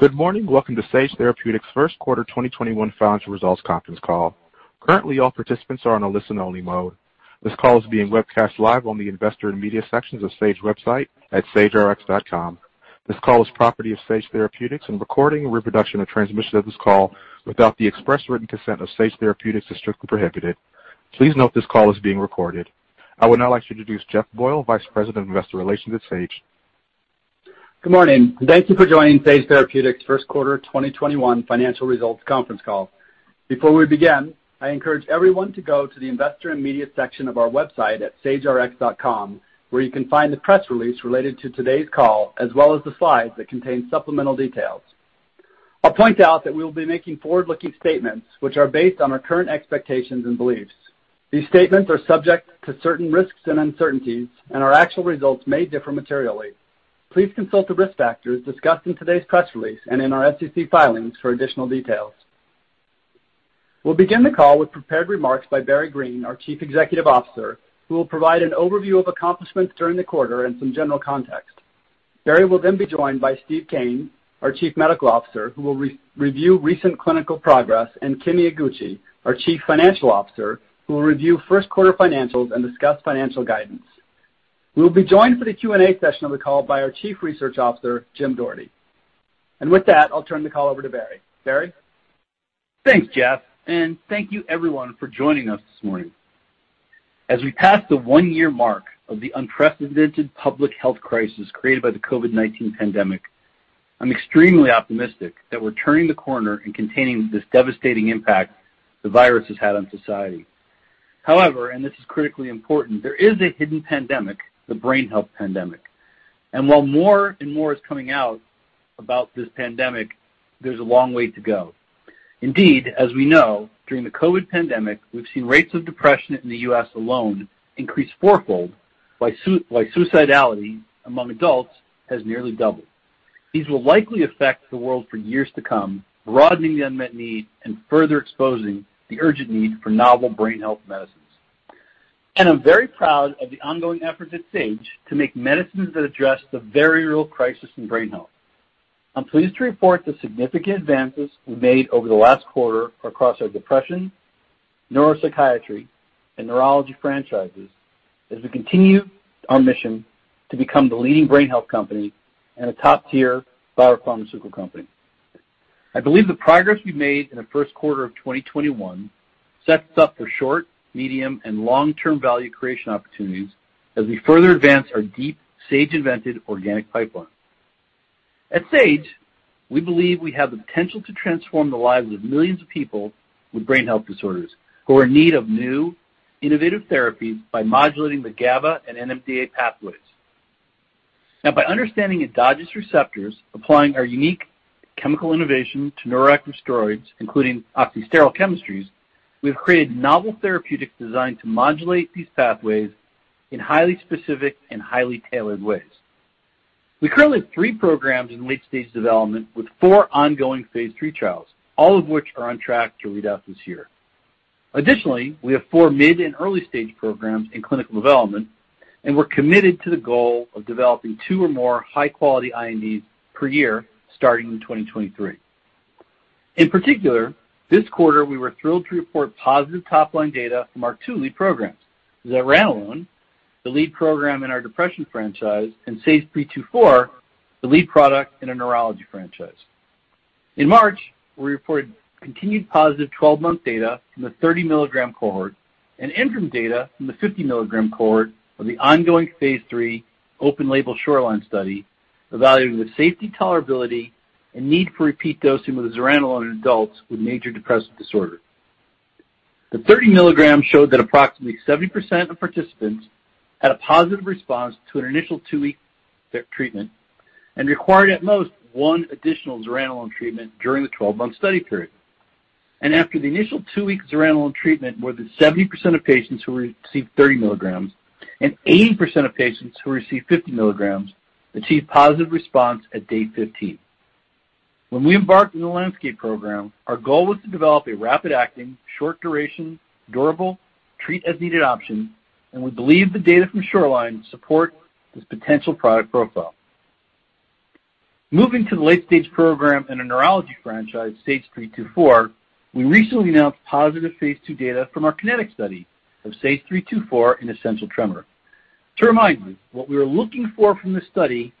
Good morning. Welcome to Sage Therapeutics' first quarter 2021 financial results conference call. Currently, all participants are on a listen-only mode. This call is being webcast live on the Investor and Media sections of Sage website at sagerx.com. This call is property of Sage Therapeutics, and recording, reproduction, or transmission of this call without the express written consent of Sage Therapeutics is strictly prohibited. Please note this call is being recorded. I would now like to introduce Jeff Boyle, vice president of investor relations at Sage. Good morning. Thank you for joining Sage Therapeutics' first quarter 2021 financial results conference call. Before we begin, I encourage everyone to go to the Investor and Media section of our website at sagerx.com, where you can find the press release related to today's call, as well as the slides that contain supplemental details. I'll point out that we will be making forward-looking statements, which are based on our current expectations and beliefs. These statements are subject to certain risks and uncertainties, and our actual results may differ materially. Please consult the risk factors discussed in today's press release and in our SEC filings for additional details. We'll begin the call with prepared remarks by Barry Greene, our Chief Executive Officer, who will provide an overview of accomplishments during the quarter and some general context. Barry will then be joined by Steve Kanes, our Chief Medical Officer, who will review recent clinical progress, and Kimi Iguchi, our Chief Financial Officer, who will review first quarter financials and discuss financial guidance. We will be joined for the Q&A session of the call by our Chief Research Officer, Jim Doherty. With that, I'll turn the call over to Barry. Barry? Thanks, Jeff. Thank you everyone for joining us this morning. As we pass the one-year mark of the unprecedented public health crisis created by the COVID-19 pandemic, I'm extremely optimistic that we're turning the corner in containing this devastating impact the virus has had on society. However, and this is critically important, there is a hidden pandemic, the brain health pandemic. While more and more is coming out about this pandemic, there's a long way to go. Indeed, as we know, during the COVID pandemic, we've seen rates of depression in the U.S. alone increase fourfold by suicidality among adults has nearly doubled. These will likely affect the world for years to come, broadening the unmet need and further exposing the urgent need for novel brain health medicines. I'm very proud of the ongoing efforts at Sage to make medicines that address the very real crisis in brain health. I'm pleased to report the significant advances we made over the last quarter across our depression, neuropsychiatry, and neurology franchises as we continue our mission to become the leading brain health company and a top-tier biopharmaceutical company. I believe the progress we've made in the first quarter of 2021 sets us up for short, medium, and long-term value creation opportunities as we further advance our deep, Sage-invented organic pipeline. At Sage, we believe we have the potential to transform the lives of millions of people with brain health disorders who are in need of new, innovative therapies by modulating the GABA and NMDA pathways. By understanding endogenous receptors, applying our unique chemical innovation to neuroactive steroids, including oxysterol chemistries, we've created novel therapeutics designed to modulate these pathways in highly specific and highly tailored ways. We currently have three programs in late-stage development with four ongoing phase III trials, all of which are on track to read out this year. We have four mid- and early-stage programs in clinical development, and we're committed to the goal of developing two or more high-quality INDs per year, starting in 2023. This quarter, we were thrilled to report positive top-line data from our two lead programs. Zuranolone, the lead program in our depression franchise, and SAGE-324, the lead product in our neurology franchise. In March, we reported continued positive 12-month data from the 30 mg cohort and interim data from the 50 mg cohort of the ongoing phase III open label SHORELINE study evaluating the safety, tolerability, and need for repeat dosing with zuranolone in adults with major depressive disorder. The 30 mg showed that approximately 70% of participants had a positive response to an initial two-week treatment and required at most one additional zuranolone treatment during the 12-month study period. After the initial two weeks of zuranolone treatment, more than 70% of patients who received 30 mg and 80% of patients who received 50 mg achieved positive response at day 15. When we embarked on the LANDSCAPE program, our goal was to develop a rapid-acting, short-duration, durable, treat-as-needed option, and we believe the data from SHORELINE support this potential product profile. Moving to the late-stage program in our neurology franchise, SAGE-324, we recently announced positive phase II data from our KINETIC study of SAGE-324 in essential tremor. To remind you, what we were looking for from this study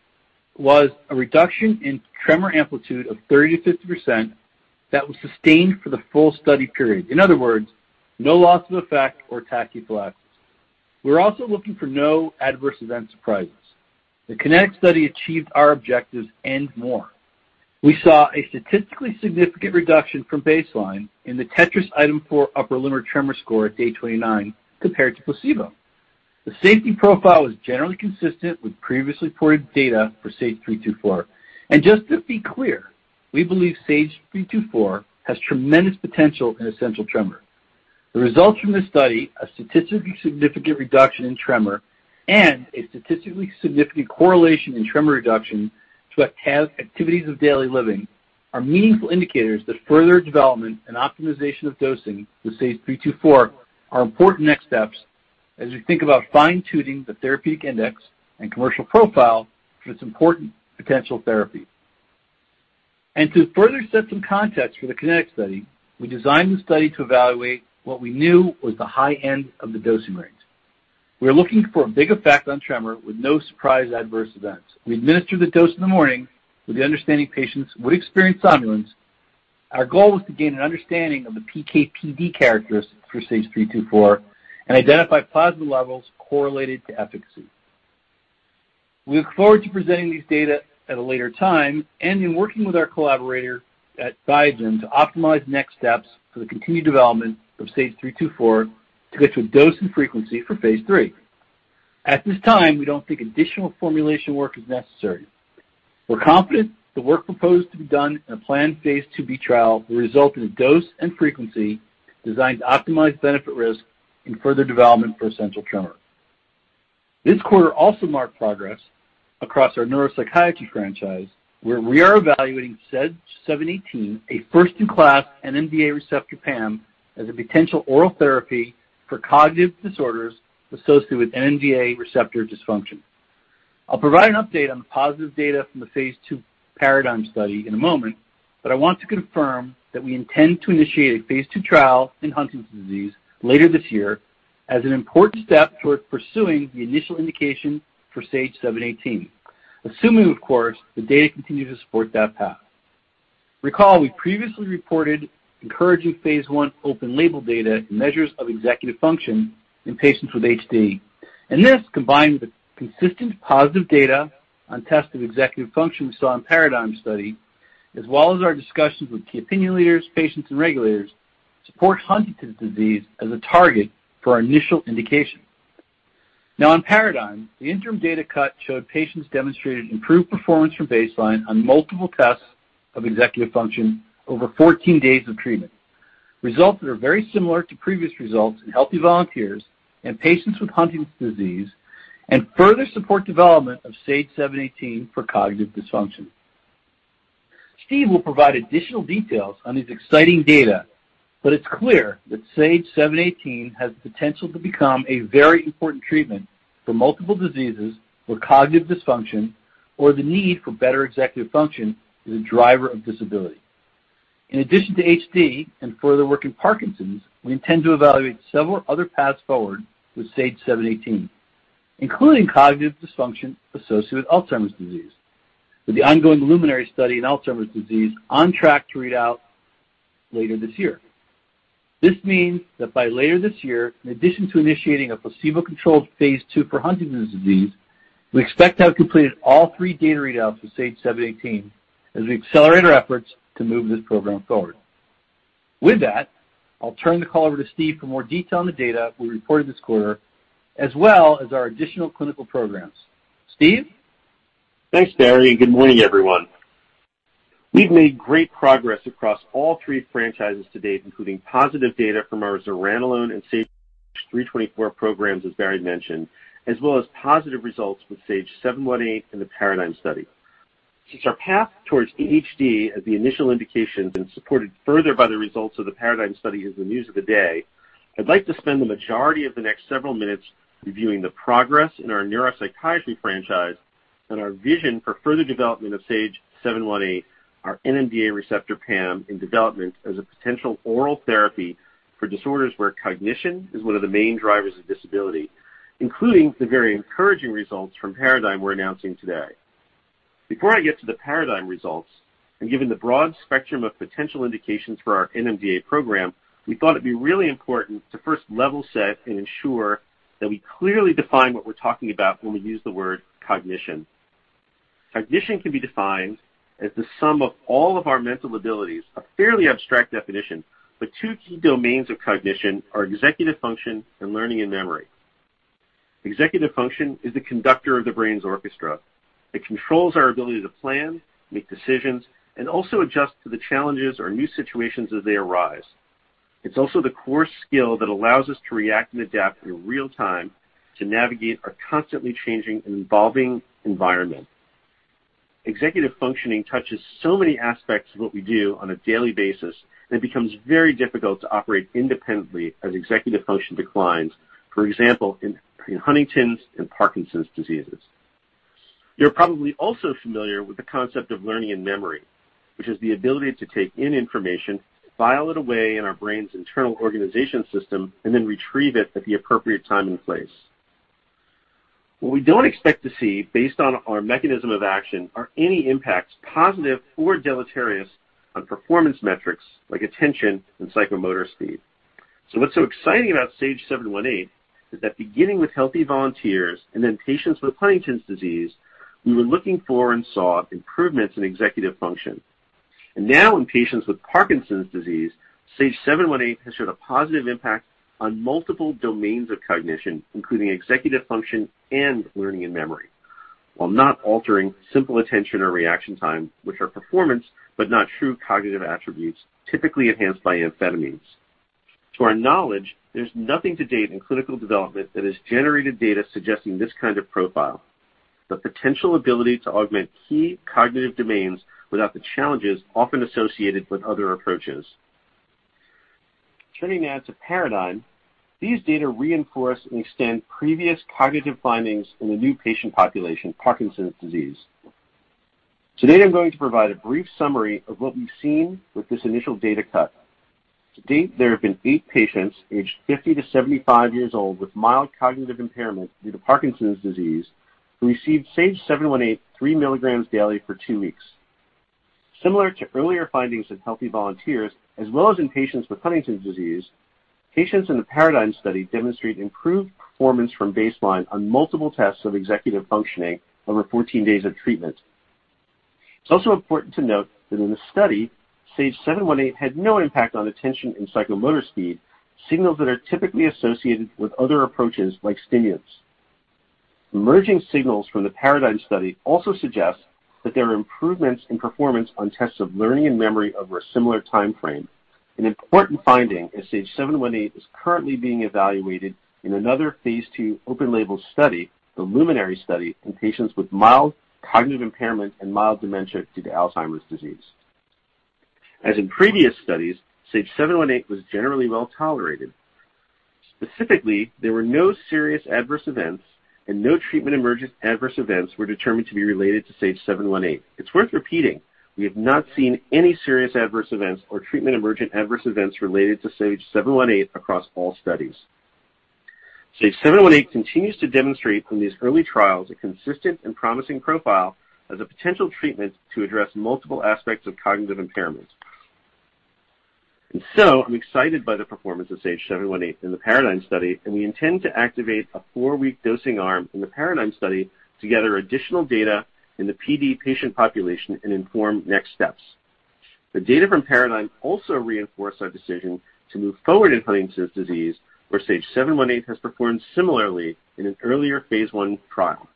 was a reduction in tremor amplitude of 30%-50% that was sustained for the full study period. In other words, no loss of effect or tachyphylaxis. We're also looking for no adverse event surprises. The KINETIC study achieved our objectives and more. We saw a statistically significant reduction from baseline in the TETRAS item 4 upper limb or tremor score at day 29 compared to placebo. The safety profile was generally consistent with previously reported data for SAGE-324. Just to be clear, we believe SAGE-324 has tremendous potential in essential tremor. The results from this study, a statistically significant reduction in tremor and a statistically significant correlation in tremor reduction to activities of daily living are meaningful indicators that further development and optimization of dosing with SAGE-324 are important next steps. As we think about fine-tuning the therapeutic index and commercial profile for this important potential therapy. To further set some context for the KINETIC study, we designed the study to evaluate what we knew was the high end of the dosing range. We were looking for a big effect on tremor with no surprise adverse events. We administered the dose in the morning with the understanding patients would experience somnolence. Our goal was to gain an understanding of the PK/PD characteristics for SAGE-324 and identify plasma levels correlated to efficacy. We look forward to presenting these data at a later time and in working with our collaborator at Biogen to optimize next steps for the continued development of SAGE-324 to get to a dose and frequency for phase III. At this time, we don't think additional formulation work is necessary. We're confident the work proposed to be done in a planned phase II-B trial will result in a dose and frequency designed to optimize benefit risk and further development for essential tremor. This quarter also marked progress across our neuropsychiatry franchise, where we are evaluating SAGE-718, a first-in-class NMDA receptor PAM, as a potential oral therapy for cognitive disorders associated with NMDA receptor dysfunction. I'll provide an update on the positive data from the phase II PARADIGM study in a moment, but I want to confirm that we intend to initiate a phase II trial in Huntington's disease later this year as an important step towards pursuing the initial indication for SAGE-718, assuming, of course, the data continues to support that path. Recall we previously reported encouraging phase I open-label data in measures of executive function in patients with HD, and this, combined with consistent positive data on tests of executive function we saw in PARADIGM study, as well as our discussions with key opinion leaders, patients, and regulators, supports Huntington's disease as a target for our initial indication. In PARADIGM, the interim data cut showed patients demonstrated improved performance from baseline on multiple tests of executive function over 14 days of treatment, results that are very similar to previous results in healthy volunteers and patients with Huntington's disease and further support development of SAGE-718 for cognitive dysfunction. Steve will provide additional details on these exciting data, but it's clear that SAGE-718 has the potential to become a very important treatment for multiple diseases where cognitive dysfunction or the need for better executive function is a driver of disability. In addition to HD and further work in Parkinson's, we intend to evaluate several other paths forward with SAGE-718, including cognitive dysfunction associated with Alzheimer's disease, with the ongoing LUMINARY study in Alzheimer's disease on track to read out later this year. This means that by later this year, in addition to initiating a placebo-controlled phase II for Huntington's disease, we expect to have completed all three data readouts for SAGE-718 as we accelerate our efforts to move this program forward. With that, I'll turn the call over to Steve for more detail on the data we reported this quarter, as well as our additional clinical programs. Steve? Thanks, Barry. Good morning, everyone. We've made great progress across all three franchises to date, including positive data from our zuranolone and SAGE-324 programs, as Barry mentioned, as well as positive results with SAGE-718 in the PARADIGM study. Since our path towards HD as the initial indication has been supported further by the results of the PARADIGM study is the news of the day, I'd like to spend the majority of the next several minutes reviewing the progress in our neuropsychiatry franchise and our vision for further development of SAGE-718, our NMDA receptor PAM in development as a potential oral therapy for disorders where cognition is one of the main drivers of disability, including the very encouraging results from PARADIGM we're announcing today. Before I get to the PARADIGM results, and given the broad spectrum of potential indications for our NMDA program, we thought it'd be really important to first level set and ensure that we clearly define what we're talking about when we use the word cognition. Cognition can be defined as the sum of all of our mental abilities, a fairly abstract definition, but two key domains of cognition are executive function and learning and memory. Executive function is the conductor of the brain's orchestra. It controls our ability to plan, make decisions, and also adjust to the challenges or new situations as they arise. It's also the core skill that allows us to react and adapt in real time to navigate our constantly changing and evolving environment. Executive functioning touches so many aspects of what we do on a daily basis, and it becomes very difficult to operate independently as executive function declines, for example, in Huntington's and Parkinson's diseases. You're probably also familiar with the concept of learning and memory, which is the ability to take in information, file it away in our brain's internal organization system, and then retrieve it at the appropriate time and place. What we don't expect to see based on our mechanism of action are any impacts, positive or deleterious, on performance metrics like attention and psychomotor speed. What's so exciting about SAGE-718 is that beginning with healthy volunteers and then patients with Huntington's disease, we were looking for and saw improvements in executive function. Now in patients with Parkinson's disease, SAGE-718 has showed a positive impact on multiple domains of cognition, including executive function and learning and memory, while not altering simple attention or reaction time, which are performance but not true cognitive attributes typically enhanced by amphetamines. To our knowledge, there's nothing to date in clinical development that has generated data suggesting this kind of profile. The potential ability to augment key cognitive domains without the challenges often associated with other approaches. Turning now to PARADIGM, these data reinforce and extend previous cognitive findings in the new patient population, Parkinson's disease. Today, I'm going to provide a brief summary of what we've seen with this initial data cut. To date, there have been eight patients aged 50-75 years old with mild cognitive impairment due to Parkinson's disease, who received SAGE-718 3 mg daily for two weeks. Similar to earlier findings in healthy volunteers, as well as in patients with Huntington's disease, patients in the PARADIGM study demonstrate improved performance from baseline on multiple tests of executive functioning over 14 days of treatment. It's also important to note that in the study, SAGE-718 had no impact on attention and psychomotor speed, signals that are typically associated with other approaches like stimulants. Emerging signals from the PARADIGM study also suggest that there are improvements in performance on tests of learning and memory over a similar timeframe. An important finding is SAGE-718 is currently being evaluated in another Phase II open-label study, the LUMINARY study, in patients with mild cognitive impairment and mild dementia due to Alzheimer's disease. As in previous studies, SAGE-718 was generally well-tolerated. Specifically, there were no serious adverse events. No treatment emergent adverse events were determined to be related to SAGE-718. It's worth repeating, we have not seen any serious adverse events or treatment emergent adverse events related to SAGE-718 across all studies. SAGE-718 continues to demonstrate from these early trials a consistent and promising profile as a potential treatment to address multiple aspects of cognitive impairment. I'm excited by the performance of SAGE-718 in the PARADIGM study. We intend to activate a four-week dosing arm in the PARADIGM study to gather additional data in the PD patient population and inform next steps. The data from PARADIGM also reinforce our decision to move forward in Huntington's disease, where SAGE-718 has performed similarly in an earlier phase I trial.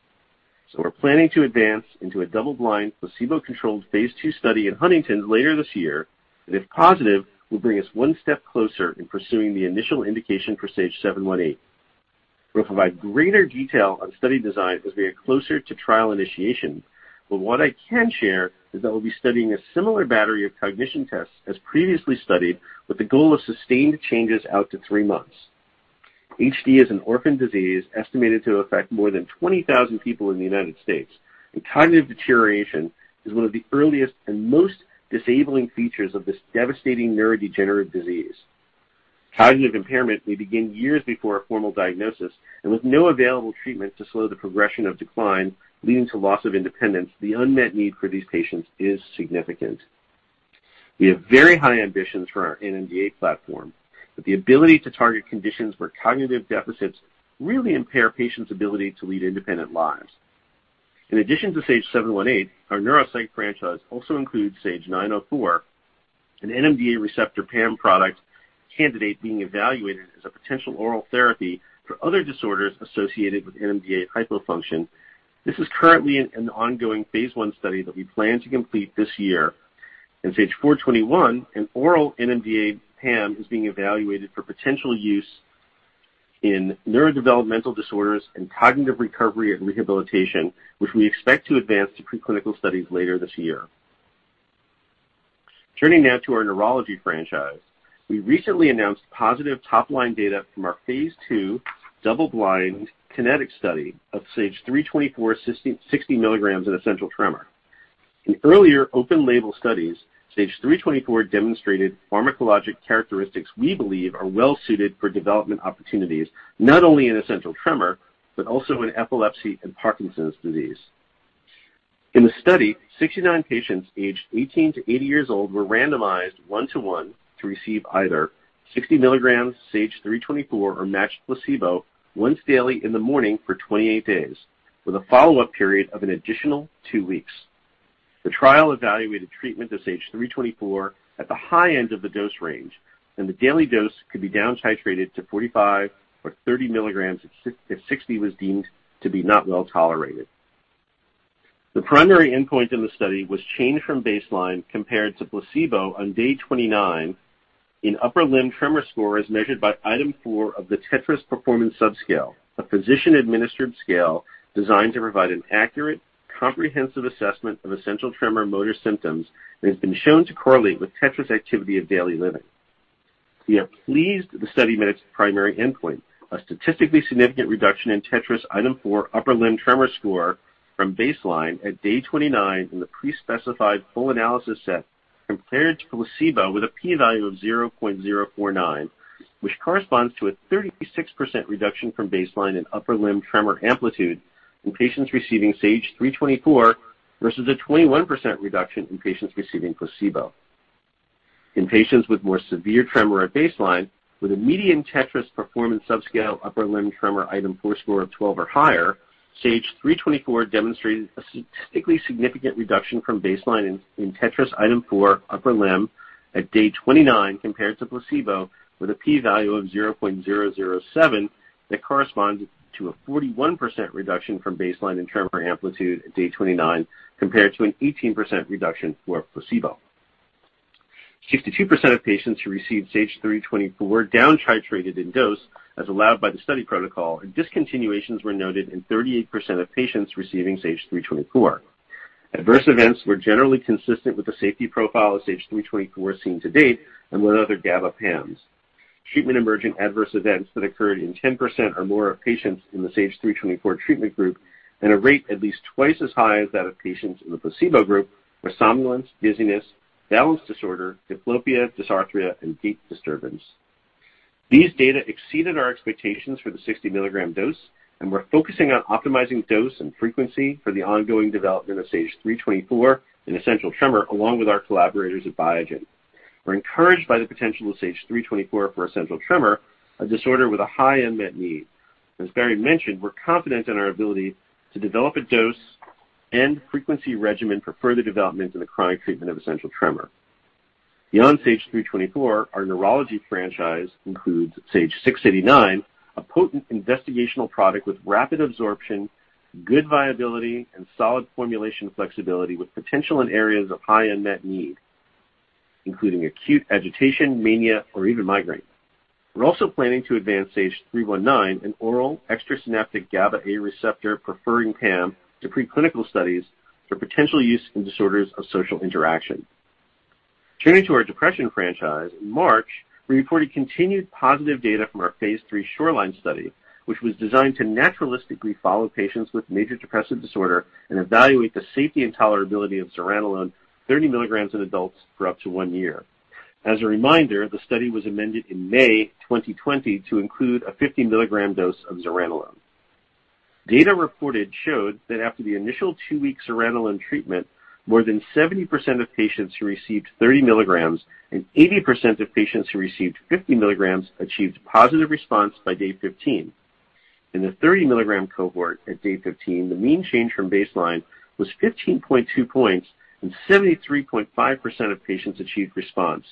We're planning to advance into a double-blind, placebo-controlled phase II study in Huntington's later this year. If positive, will bring us one step closer in pursuing the initial indication for SAGE-718. We'll provide greater detail on study design as we get closer to trial initiation, but what I can share is that we'll be studying a similar battery of cognition tests as previously studied with the goal of sustained changes out to three months. HD is an orphan disease estimated to affect more than 20,000 people in the United States, and cognitive deterioration is one of the earliest and most disabling features of this devastating neurodegenerative disease. Cognitive impairment may begin years before a formal diagnosis, and with no available treatment to slow the progression of decline, leading to loss of independence, the unmet need for these patients is significant. We have very high ambitions for our NMDA platform, with the ability to target conditions where cognitive deficits really impair patients' ability to lead independent lives. In addition to SAGE-718, our neuropsych franchise also includes SAGE-904, an NMDA receptor PAM product candidate being evaluated as a potential oral therapy for other disorders associated with NMDA hypofunction. This is currently in an ongoing phase I study that we plan to complete this year. SAGE-421, an oral NMDA PAM, is being evaluated for potential use in neurodevelopmental disorders and cognitive recovery and rehabilitation, which we expect to advance to preclinical studies later this year. Turning now to our neurology franchise, we recently announced positive top-line data from our phase II double-blind KINETIC study of SAGE-324 60 mg in essential tremor. In earlier open label studies, SAGE-324 demonstrated pharmacologic characteristics we believe are well-suited for development opportunities, not only in essential tremor, but also in epilepsy and Parkinson's disease. In the study, 69 patients aged 18-80 years old were randomized one-to-one to receive either 60 mg SAGE-324 or matched placebo once daily in the morning for 28 days, with a follow-up period of an additional two weeks. The trial evaluated treatment of SAGE-324 at the high end of the dose range, the daily dose could be down titrated to 45 mg or 30 mg if 60 mg was deemed to be not well tolerated. The primary endpoint in the study was changed from baseline compared to placebo on day 29 in upper limb tremor score as measured by item 4 of the TETRAS performance subscale, a physician-administered scale designed to provide an accurate, comprehensive assessment of essential tremor motor symptoms that has been shown to correlate with TETRAS activity of daily living. We are pleased that the study met its primary endpoint, a statistically significant reduction in TETRAS item 4 upper limb tremor score from baseline at day 29 in the pre-specified full analysis set compared to placebo with a p-value of 0.049, which corresponds to a 36% reduction from baseline in upper limb tremor amplitude in patients receiving SAGE-324, versus a 21% reduction in patients receiving placebo. In patients with more severe tremor at baseline, with a median TETRAS performance subscale upper limb tremor item four score of 12 or higher, SAGE-324 demonstrated a statistically significant reduction from baseline in TETRAS item 4 upper limb at day 29 compared to placebo, with a p-value of 0.007 that corresponds to a 41% reduction from baseline in tremor amplitude at day 29, compared to an 18% reduction for placebo. 62% of patients who received SAGE-324 were down-titrated in dose as allowed by the study protocol, and discontinuations were noted in 38% of patients receiving SAGE-324. Adverse events were generally consistent with the safety profile of SAGE-324 seen to date and with other GABA PAMs. Treatment-emerging adverse events that occurred in 10% or more of patients in the SAGE-324 treatment group at a rate at least twice as high as that of patients in the placebo group were somnolence, dizziness, balance disorder, diplopia, dysarthria, and gait disturbance. These data exceeded our expectations for the 60 mg dose, and we're focusing on optimizing dose and frequency for the ongoing development of SAGE-324 in essential tremor, along with our collaborators at Biogen. We're encouraged by the potential of SAGE-324 for essential tremor, a disorder with a high unmet need. As Barry mentioned, we're confident in our ability to develop a dose and frequency regimen for further development in the chronic treatment of essential tremor. Beyond SAGE-324, our neurology franchise includes SAGE-689, a potent investigational product with rapid absorption, good viability, and solid formulation flexibility with potential in areas of high unmet need, including acute agitation, mania, or even migraine. We're also planning to advance SAGE-319, an oral extrasynaptic GABA-A receptor preferring PAM, to preclinical studies for potential use in disorders of social interaction. Turning to our depression franchise, in March, we reported continued positive data from our phase III SHORELINE study, which was designed to naturalistically follow patients with major depressive disorder and evaluate the safety and tolerability of zuranolone 30 mg in adults for up to one year. As a reminder, the study was amended in May 2020 to include a 50 mg dose of zuranolone. Data reported showed that after the initial two-week zuranolone treatment, more than 70% of patients who received 30 mg and 80% of patients who received 50 mg achieved positive response by day 15. In the 30 mg cohort at day 15, the mean change from baseline was 15.2 points, and 73.5% of patients achieved response,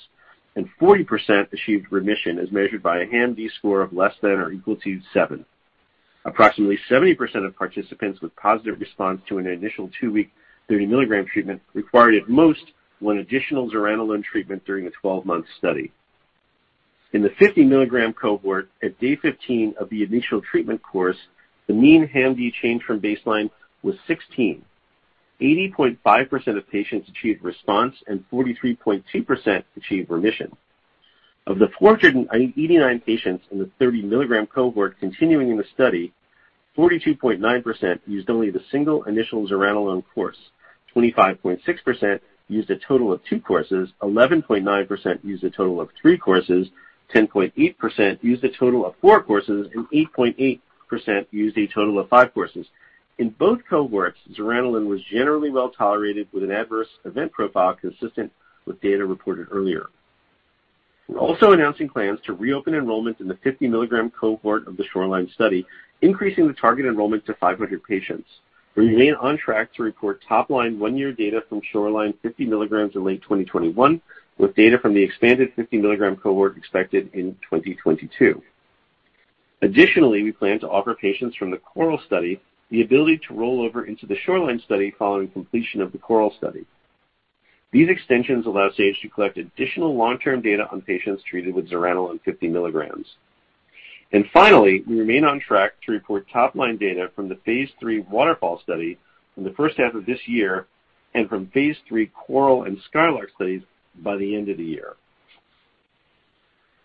and 40% achieved remission as measured by a HAM-D score of less than or equal to seven. Approximately 70% of participants with positive response to an initial two-week 30 mg treatment required at most one additional zuranolone treatment during the 12-month study. In the 50 mg cohort, at day 15 of the initial treatment course, the mean HAM-D change from baseline was 16. 80.5% of patients achieved response and 43.2% achieved remission. Of the 489 patients in the 30 mg cohort continuing in the study, 42.9% used only the single initial zuranolone course, 25.6% used a total of two courses, 11.9% used a total of three courses, 10.8% used a total of four courses, and 8.8% used a total of five courses. In both cohorts, zuranolone was generally well-tolerated with an adverse event profile consistent with data reported earlier. We're also announcing plans to reopen enrollment in the 50 mg cohort of the SHORELINE study, increasing the target enrollment to 500 patients. We remain on track to report top-line one-year data from SHORELINE 50 mg in late 2021, with data from the expanded 50 mg cohort expected in 2022. Additionally, we plan to offer patients from the CORAL study the ability to roll over into the SHORELINE study following completion of the CORAL study. These extensions allow Sage to collect additional long-term data on patients treated with zuranolone 50 mg. Finally, we remain on track to report top-line data from the phase III WATERFALL study in the first half of this year and from phase III CORAL and SKYLARK studies by the end of the year.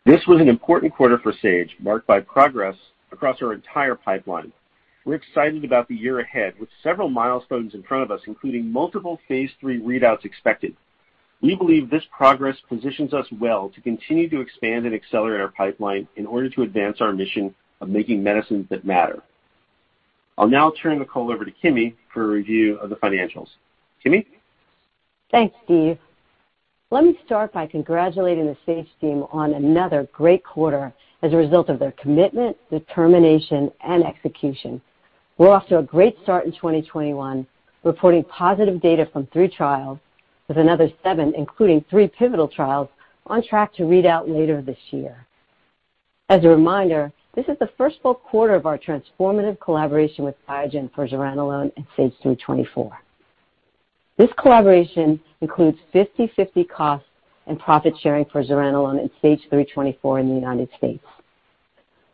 This was an important quarter for Sage, marked by progress across our entire pipeline. We're excited about the year ahead with several milestones in front of us, including multiple phase III readouts expected. We believe this progress positions us well to continue to expand and accelerate our pipeline in order to advance our mission of making medicines that matter. I'll now turn the call over to Kimi for a review of the financials. Kimi? Thanks, Steve. Let me start by congratulating the Sage team on another great quarter as a result of their commitment, determination, and execution. We're off to a great start in 2021, reporting positive data from three trials, with another seven, including three pivotal trials, on track to read out later this year. As a reminder, this is the first full quarter of our transformative collaboration with Biogen for zuranolone and SAGE-324. This collaboration includes 50/50 cost and profit sharing for zuranolone and SAGE-324 in the U.S.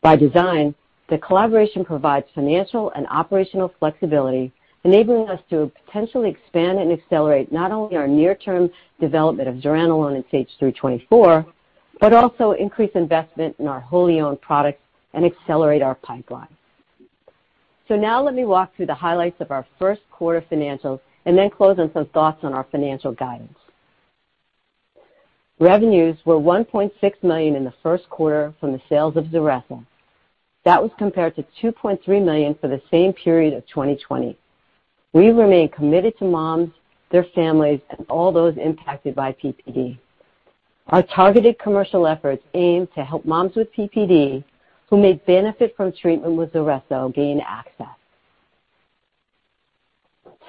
By design, the collaboration provides financial and operational flexibility, enabling us to potentially expand and accelerate not only our near-term development of zuranolone and SAGE-324, but also increase investment in our wholly owned products and accelerate our pipeline. Now let me walk through the highlights of our first quarter financials and then close on some thoughts on our financial guidance. Revenues were $1.6 million in the first quarter from the sales of ZULRESSO. That was compared to $2.3 million for the same period of 2020. We remain committed to moms, their families, and all those impacted by PPD. Our targeted commercial efforts aim to help moms with PPD who may benefit from treatment with ZULRESSO gain access.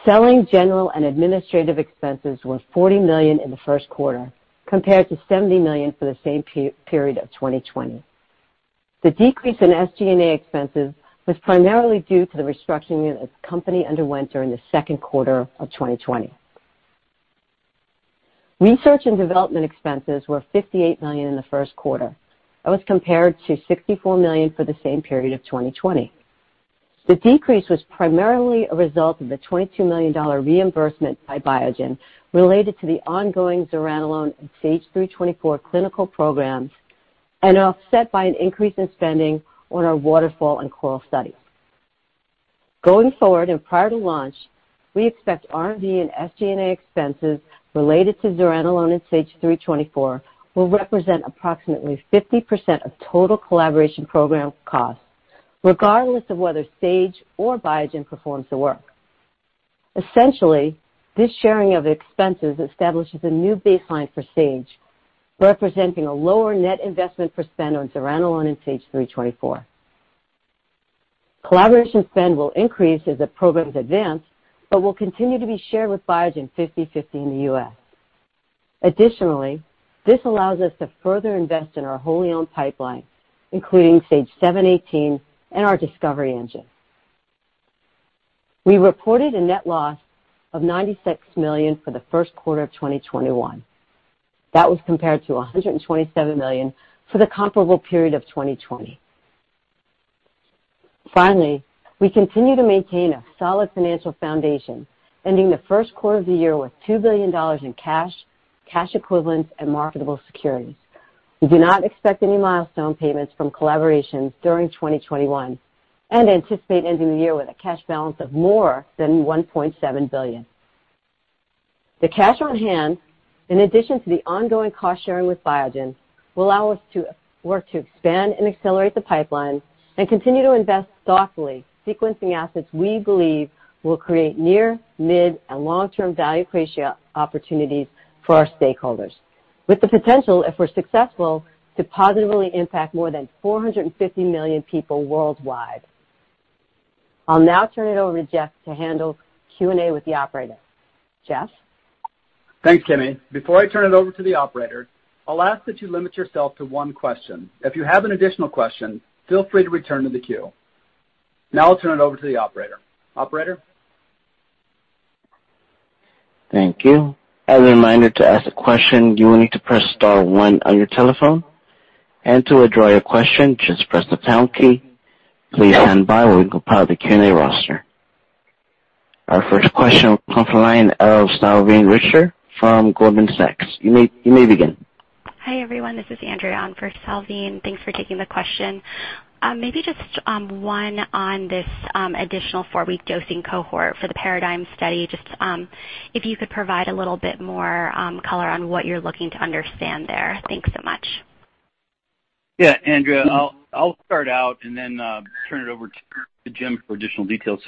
Selling, general, and administrative expenses were $40 million in the first quarter, compared to $70 million for the same period of 2020. The decrease in SG&A expenses was primarily due to the restructuring that the company underwent during the second quarter of 2020. Research and development expenses were $58 million in the first quarter. That was compared to $64 million for the same period of 2020. The decrease was primarily a result of the $22 million reimbursement by Biogen related to the ongoing zuranolone and SAGE-324 clinical programs, offset by an increase in spending on our WATERFALL and CORAL studies. Going forward, and prior to launch, we expect R&D and SG&A expenses related to zuranolone and SAGE-324 will represent approximately 50% of total collaboration program costs, regardless of whether Sage or Biogen performs the work. Essentially, this sharing of expenses establishes a new baseline for Sage, representing a lower net investment for spend on zuranolone and SAGE-324. Collaboration spend will increase as the programs advance but will continue to be shared with Biogen 50/50 in the U.S. Additionally, this allows us to further invest in our wholly-owned pipeline, including SAGE-718 and our discovery engine. We reported a net loss of $96 million for the first quarter of 2021. That was compared to $127 million for the comparable period of 2020. We continue to maintain a solid financial foundation, ending the first quarter of the year with $2 billion in cash equivalents, and marketable securities. We do not expect any milestone payments from collaborations during 2021 and anticipate ending the year with a cash balance of more than $1.7 billion. The cash on hand, in addition to the ongoing cost-sharing with Biogen, will allow us to work to expand and accelerate the pipeline and continue to invest thoughtfully, sequencing assets we believe will create near, mid, and long-term value creation opportunities for our stakeholders, with the potential, if we're successful, to positively impact more than 450 million people worldwide. I'll now turn it over to Jeff to handle Q&A with the operator. Jeff? Thanks, Kimi. Before I turn it over to the operator, I'll ask that you limit yourself to one question. If you have an additional question, feel free to return to the queue. Now I'll turn it over to the operator. Operator? Thank you. As a reminder, to ask a question, you will need to press star one on your telephone, and to withdraw your question, just press the pound key. Please stand by while we compile the Q&A roster. Our first question will come from the line of Salveen Richter from Goldman Sachs. You may begin. Hi, everyone. This is Andrea on for Salveen. Thanks for taking the question. Just one on this additional four-week dosing cohort for the PARADIGM study, just if you could provide a little bit more color on what you're looking to understand there. Thanks so much. Yeah, Andrea, I'll start out and then turn it over to Jim for additional details.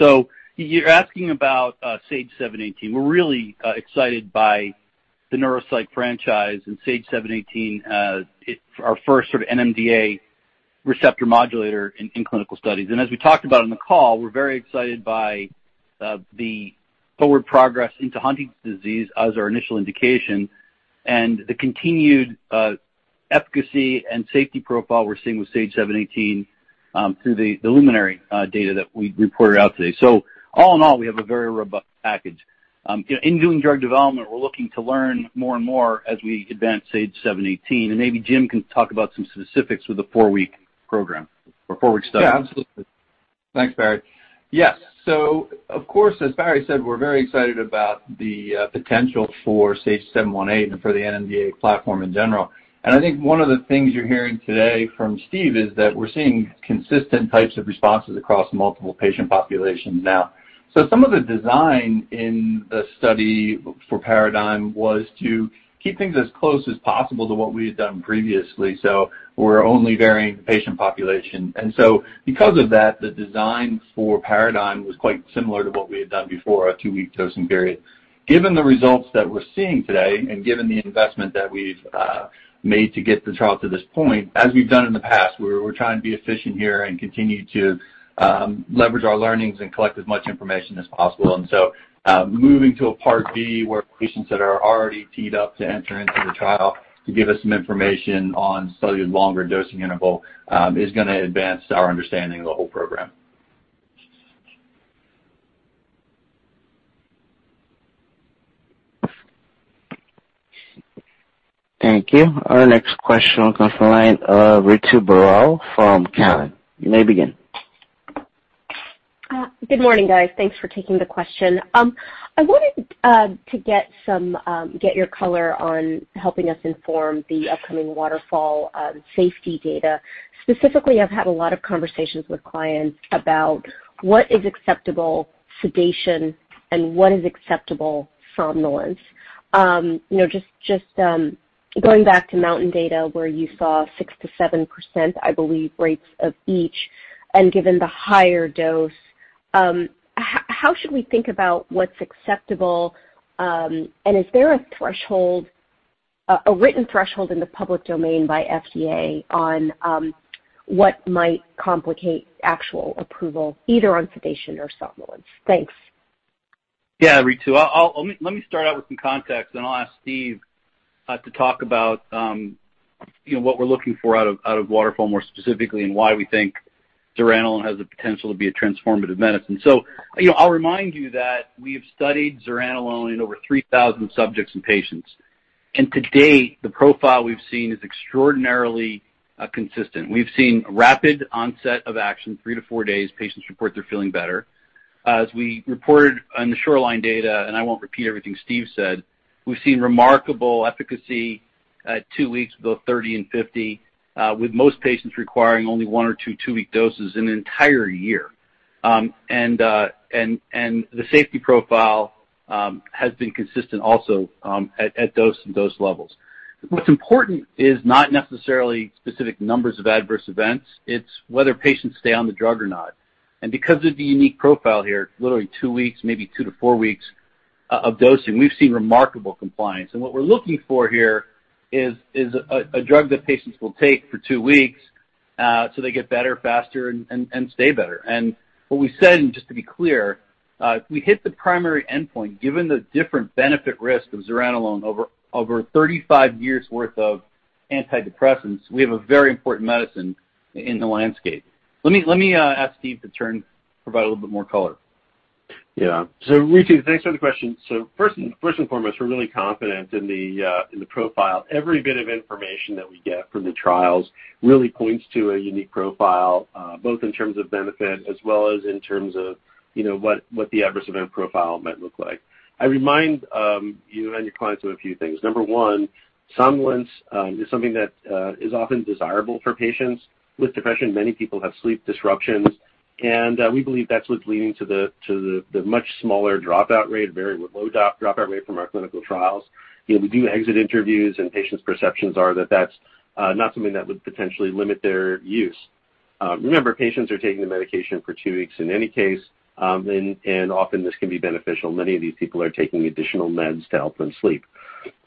You're asking about SAGE-718. We're really excited by the neuropsych franchise and SAGE-718, our first sort of NMDA receptor modulator in clinical studies. As we talked about on the call, we're very excited by the forward progress into Huntington's disease as our initial indication and the continued efficacy and safety profile we're seeing with SAGE-718 through the LUMINARY data that we reported out today. All in all, we have a very robust package. In doing drug development, we're looking to learn more and more as we advance SAGE-718, and maybe Jim can talk about some specifics with the four-week program or four-week study. Yeah, absolutely. Thanks, Barry. Yes. Of course, as Barry said, we're very excited about the potential for SAGE-718 and for the NMDA platform in general. I think one of the things you're hearing today from Steve is that we're seeing consistent types of responses across multiple patient populations now. Some of the design in the study for PARADIGM was to keep things as close as possible to what we had done previously. We're only varying the patient population. Because of that, the design for PARADIGM was quite similar to what we had done before, a two-week dosing period. Given the results that we're seeing today and given the investment that we've made to get the trial to this point, as we've done in the past, we're trying to be efficient here and continue to leverage our learnings and collect as much information as possible. Moving to a part B, where patients that are already teed up to enter into the trial to give us some information on studying longer dosing interval is going to advance our understanding of the whole program. Thank you. Our next question comes from the line of Ritu Baral from Cowen. You may begin. Good morning, guys. Thanks for taking the question. I wanted to get your color on helping us inform the upcoming WATERFALL safety data. Specifically, I've had a lot of conversations with clients about what is acceptable sedation and what is acceptable somnolence. Just going back to MOUNTAIN data, where you saw 6%-7%, I believe, rates of each, and given the higher dose, how should we think about what's acceptable? Is there a written threshold in the public domain by FDA on what might complicate actual approval, either on sedation or somnolence? Thanks. Ritu. Let me start out with some context, then I'll ask Steve to talk about what we're looking for out of WATERFALL more specifically, and why we think zuranolone has the potential to be a transformative medicine. I'll remind you that we have studied zuranolone in over 3,000 subjects and patients. To date, the profile we've seen is extraordinarily consistent. We've seen rapid onset of action. Three to four days, patients report they're feeling better. As we reported on the SHORELINE data, and I won't repeat everything Steve said, we've seen remarkable efficacy at two weeks, both 30 mg and 50 mg, with most patients requiring only one or two-week doses in an entire year. The safety profile has been consistent also at dose and dose levels. What's important is not necessarily specific numbers of adverse events. It's whether patients stay on the drug or not. Because of the unique profile here, literally two weeks, maybe two to four weeks of dosing, we've seen remarkable compliance. What we're looking for here is a drug that patients will take for two weeks, so they get better faster and stay better. What we said, and just to be clear, if we hit the primary endpoint, given the different benefit risk of zuranolone over 35 years worth of antidepressants, we have a very important medicine in the LANDSCAPE. Let me ask Steve to turn, provide a little bit more color. Yeah. Ritu, thanks for the question. First and foremost, we're really confident in the profile. Every bit of information that we get from the trials really points to a unique profile, both in terms of benefit as well as in terms of what the adverse event profile might look like. I remind you and your clients of a few things. Number one, somnolence is something that is often desirable for patients with depression. Many people have sleep disruptions, and we believe that's what's leading to the much smaller dropout rate, very low dropout rate from our clinical trials. We do exit interviews, and patients' perceptions are that that's not something that would potentially limit their use. Remember, patients are taking the medication for two weeks in any case, and often this can be beneficial. Many of these people are taking additional meds to help them sleep.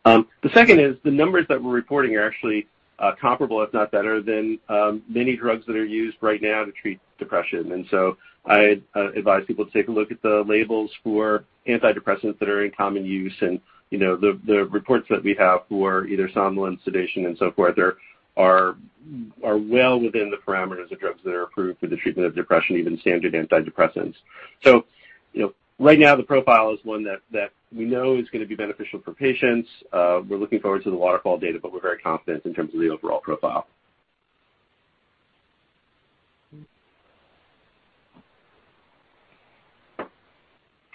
The second is, the numbers that we're reporting are actually comparable, if not better, than many drugs that are used right now to treat depression. I advise people to take a look at the labels for antidepressants that are in common use. The reports that we have for either somnolence, sedation, and so forth are well within the parameters of drugs that are approved for the treatment of depression, even standard antidepressants. Right now the profile is one that we know is going to be beneficial for patients. We're looking forward to the Waterfall data, we're very confident in terms of the overall profile.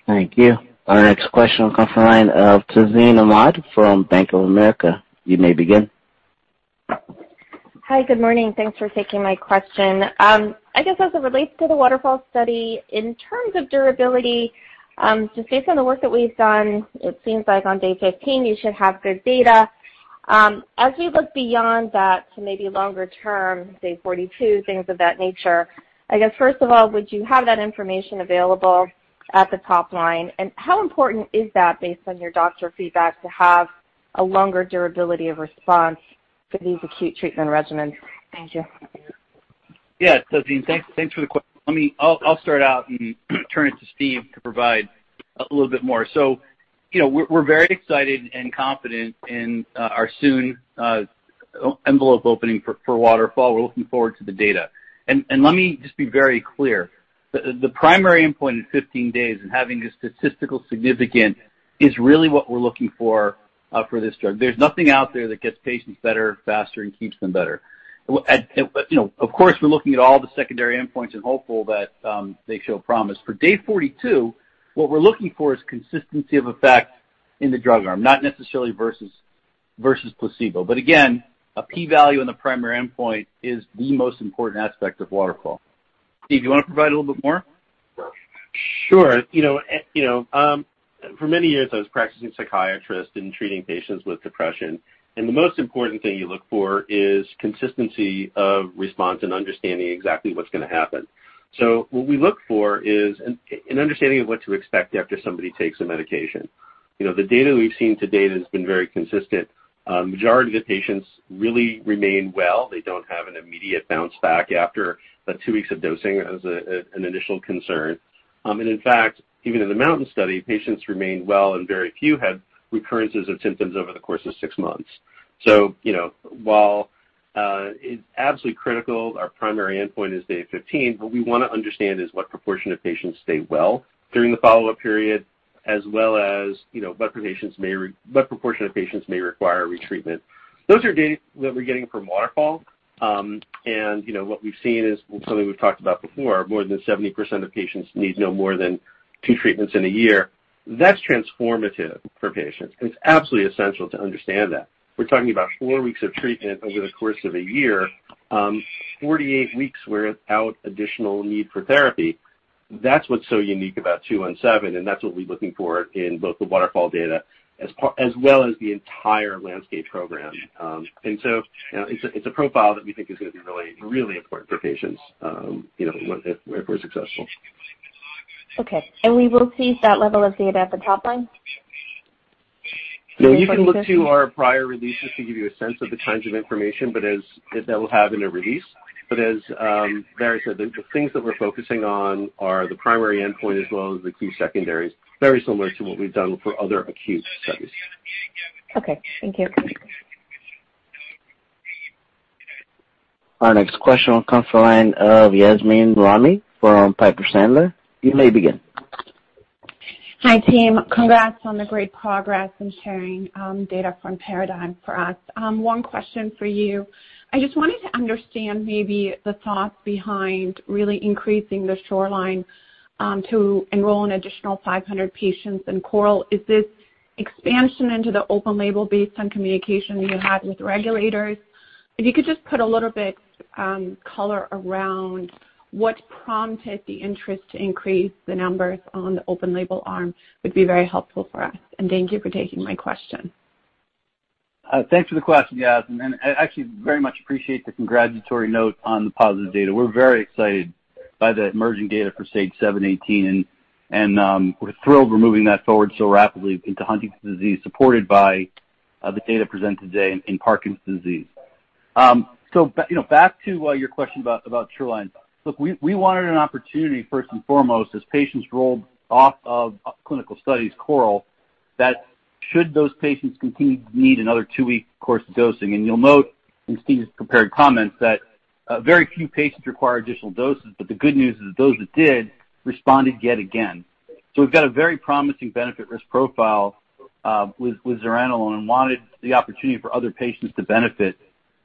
Thank you. Our next question will come from the line of Tazeen Ahmad from Bank of America. You may begin. Hi, good morning. Thanks for taking my question. I guess as it relates to the WATERFALL study, in terms of durability, just based on the work that we've done, it seems like on day 15, you should have good data. As we look beyond that to maybe longer term, say 42, things of that nature, I guess first of all, would you have that information available at the top line? How important is that based on your doctor feedback to have a longer durability of response for these acute treatment regimens? Thank you. Tazeen, thanks for the question. I'll start out and turn it to Steve to provide a little bit more. We're very excited and confident in our soon envelope opening for WATERFALL. We're looking forward to the data. Let me just be very clear. The primary endpoint in 15 days and having a statistical significance is really what we're looking for this drug. There's nothing out there that gets patients better, faster and keeps them better. Of course, we're looking at all the secondary endpoints and hopeful that they show promise. For day 42, what we're looking for is consistency of effect in the drug arm, not necessarily versus placebo. Again, a P value in the primary endpoint is the most important aspect of WATERFALL. Steve, do you want to provide a little bit more? Sure. For many years, I was practicing psychiatrist in treating patients. The most important thing you look for is consistency of response and understanding exactly what's going to happen. What we look for is an understanding of what to expect after somebody takes a medication. The data we've seen to date has been very consistent. Majority of the patients really remain well. They don't have an immediate bounce back after two weeks of dosing as an initial concern. In fact, even in the MOUNTAIN Study, patients remained well, and very few had recurrences of symptoms over the course of six months. While it's absolutely critical, our primary endpoint is day 15, what we want to understand is what proportion of patients stay well during the follow-up period, as well as what proportion of patients may require retreatment. Those are data that we're getting from WATERFALL. What we've seen is something we've talked about before. More than 70% of patients need no more than two treatments in a year. That's transformative for patients, and it's absolutely essential to understand that. We're talking about four weeks of treatment over the course of a year, 48 weeks without additional need for therapy. That's what's so unique about 217, and that's what we're looking for in both the WATERFALL data as well as the entire LANDSCAPE program. It's a profile that we think is going to be really, really important for patients if we're successful. Okay. We will see that level of data at the top line? You can look to our prior releases to give you a sense of the kinds of information that we'll have in a release. As Barry said, the things that we're focusing on are the primary endpoint as well as the two secondaries, very similar to what we've done for other acute studies. Okay. Thank you. Our next question will come from the line of Yasmeen Rahimi from Piper Sandler. You may begin. Hi, team. Congrats on the great progress and sharing data from PARADIGM for us. One question for you. I just wanted to understand maybe the thought behind really increasing the SHORELINE to enroll an additional 500 patients in CORAL. Is this expansion into the open label based on communication you had with regulators? If you could just put a little bit color around what prompted the interest to increase the numbers on the open label arm, would be very helpful for us. Thank you for taking my question. Thanks for the question, Yasmeen. Actually very much appreciate the congratulatory note on the positive data. We're very excited by the emerging data for SAGE-718, and we're thrilled we're moving that forward so rapidly into Huntington's disease, supported by the data presented today in Parkinson's disease. Back to your question about SHORELINE. Look, we wanted an opportunity, first and foremost, as patients rolled off of clinical studies CORAL, that should those patients continue to need another two-week course of dosing. You'll note in Steve's prepared comments that very few patients require additional doses, but the good news is that those that did responded yet again. We've got a very promising benefit risk profile with zuranolone and wanted the opportunity for other patients to benefit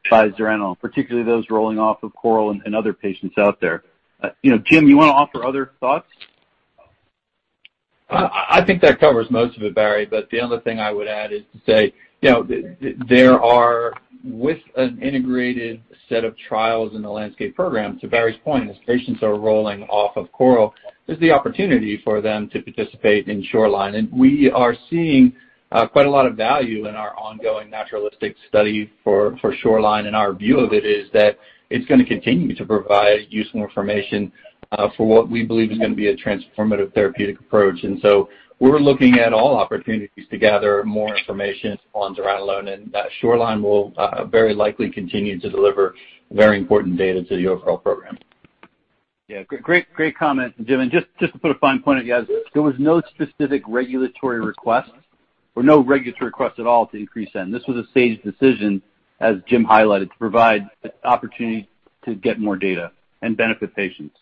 by zuranolone, particularly those rolling off of CORAL and other patients out there. Jim, you want to offer other thoughts? I think that covers most of it, Barry, but the only thing I would add is to say, there are, with an integrated set of trials in the LANDSCAPE program, to Barry's point, as patients are rolling off of CORAL, is the opportunity for them to participate in SHORELINE. We are seeing quite a lot of value in our ongoing naturalistic study for SHORELINE, and our view of it is that it's going to continue to provide useful information for what we believe is going to be a transformative therapeutic approach. We're looking at all opportunities to gather more information on zuranolone, and SHORELINE will very likely continue to deliver very important data to the overall program. Yeah. Great comment, Jim. Just to put a fine point it, guys, there was no specific regulatory request or no regulatory request at all to increase N. This was a Sage decision, as Jim highlighted, to provide the opportunity to get more data and benefit patients.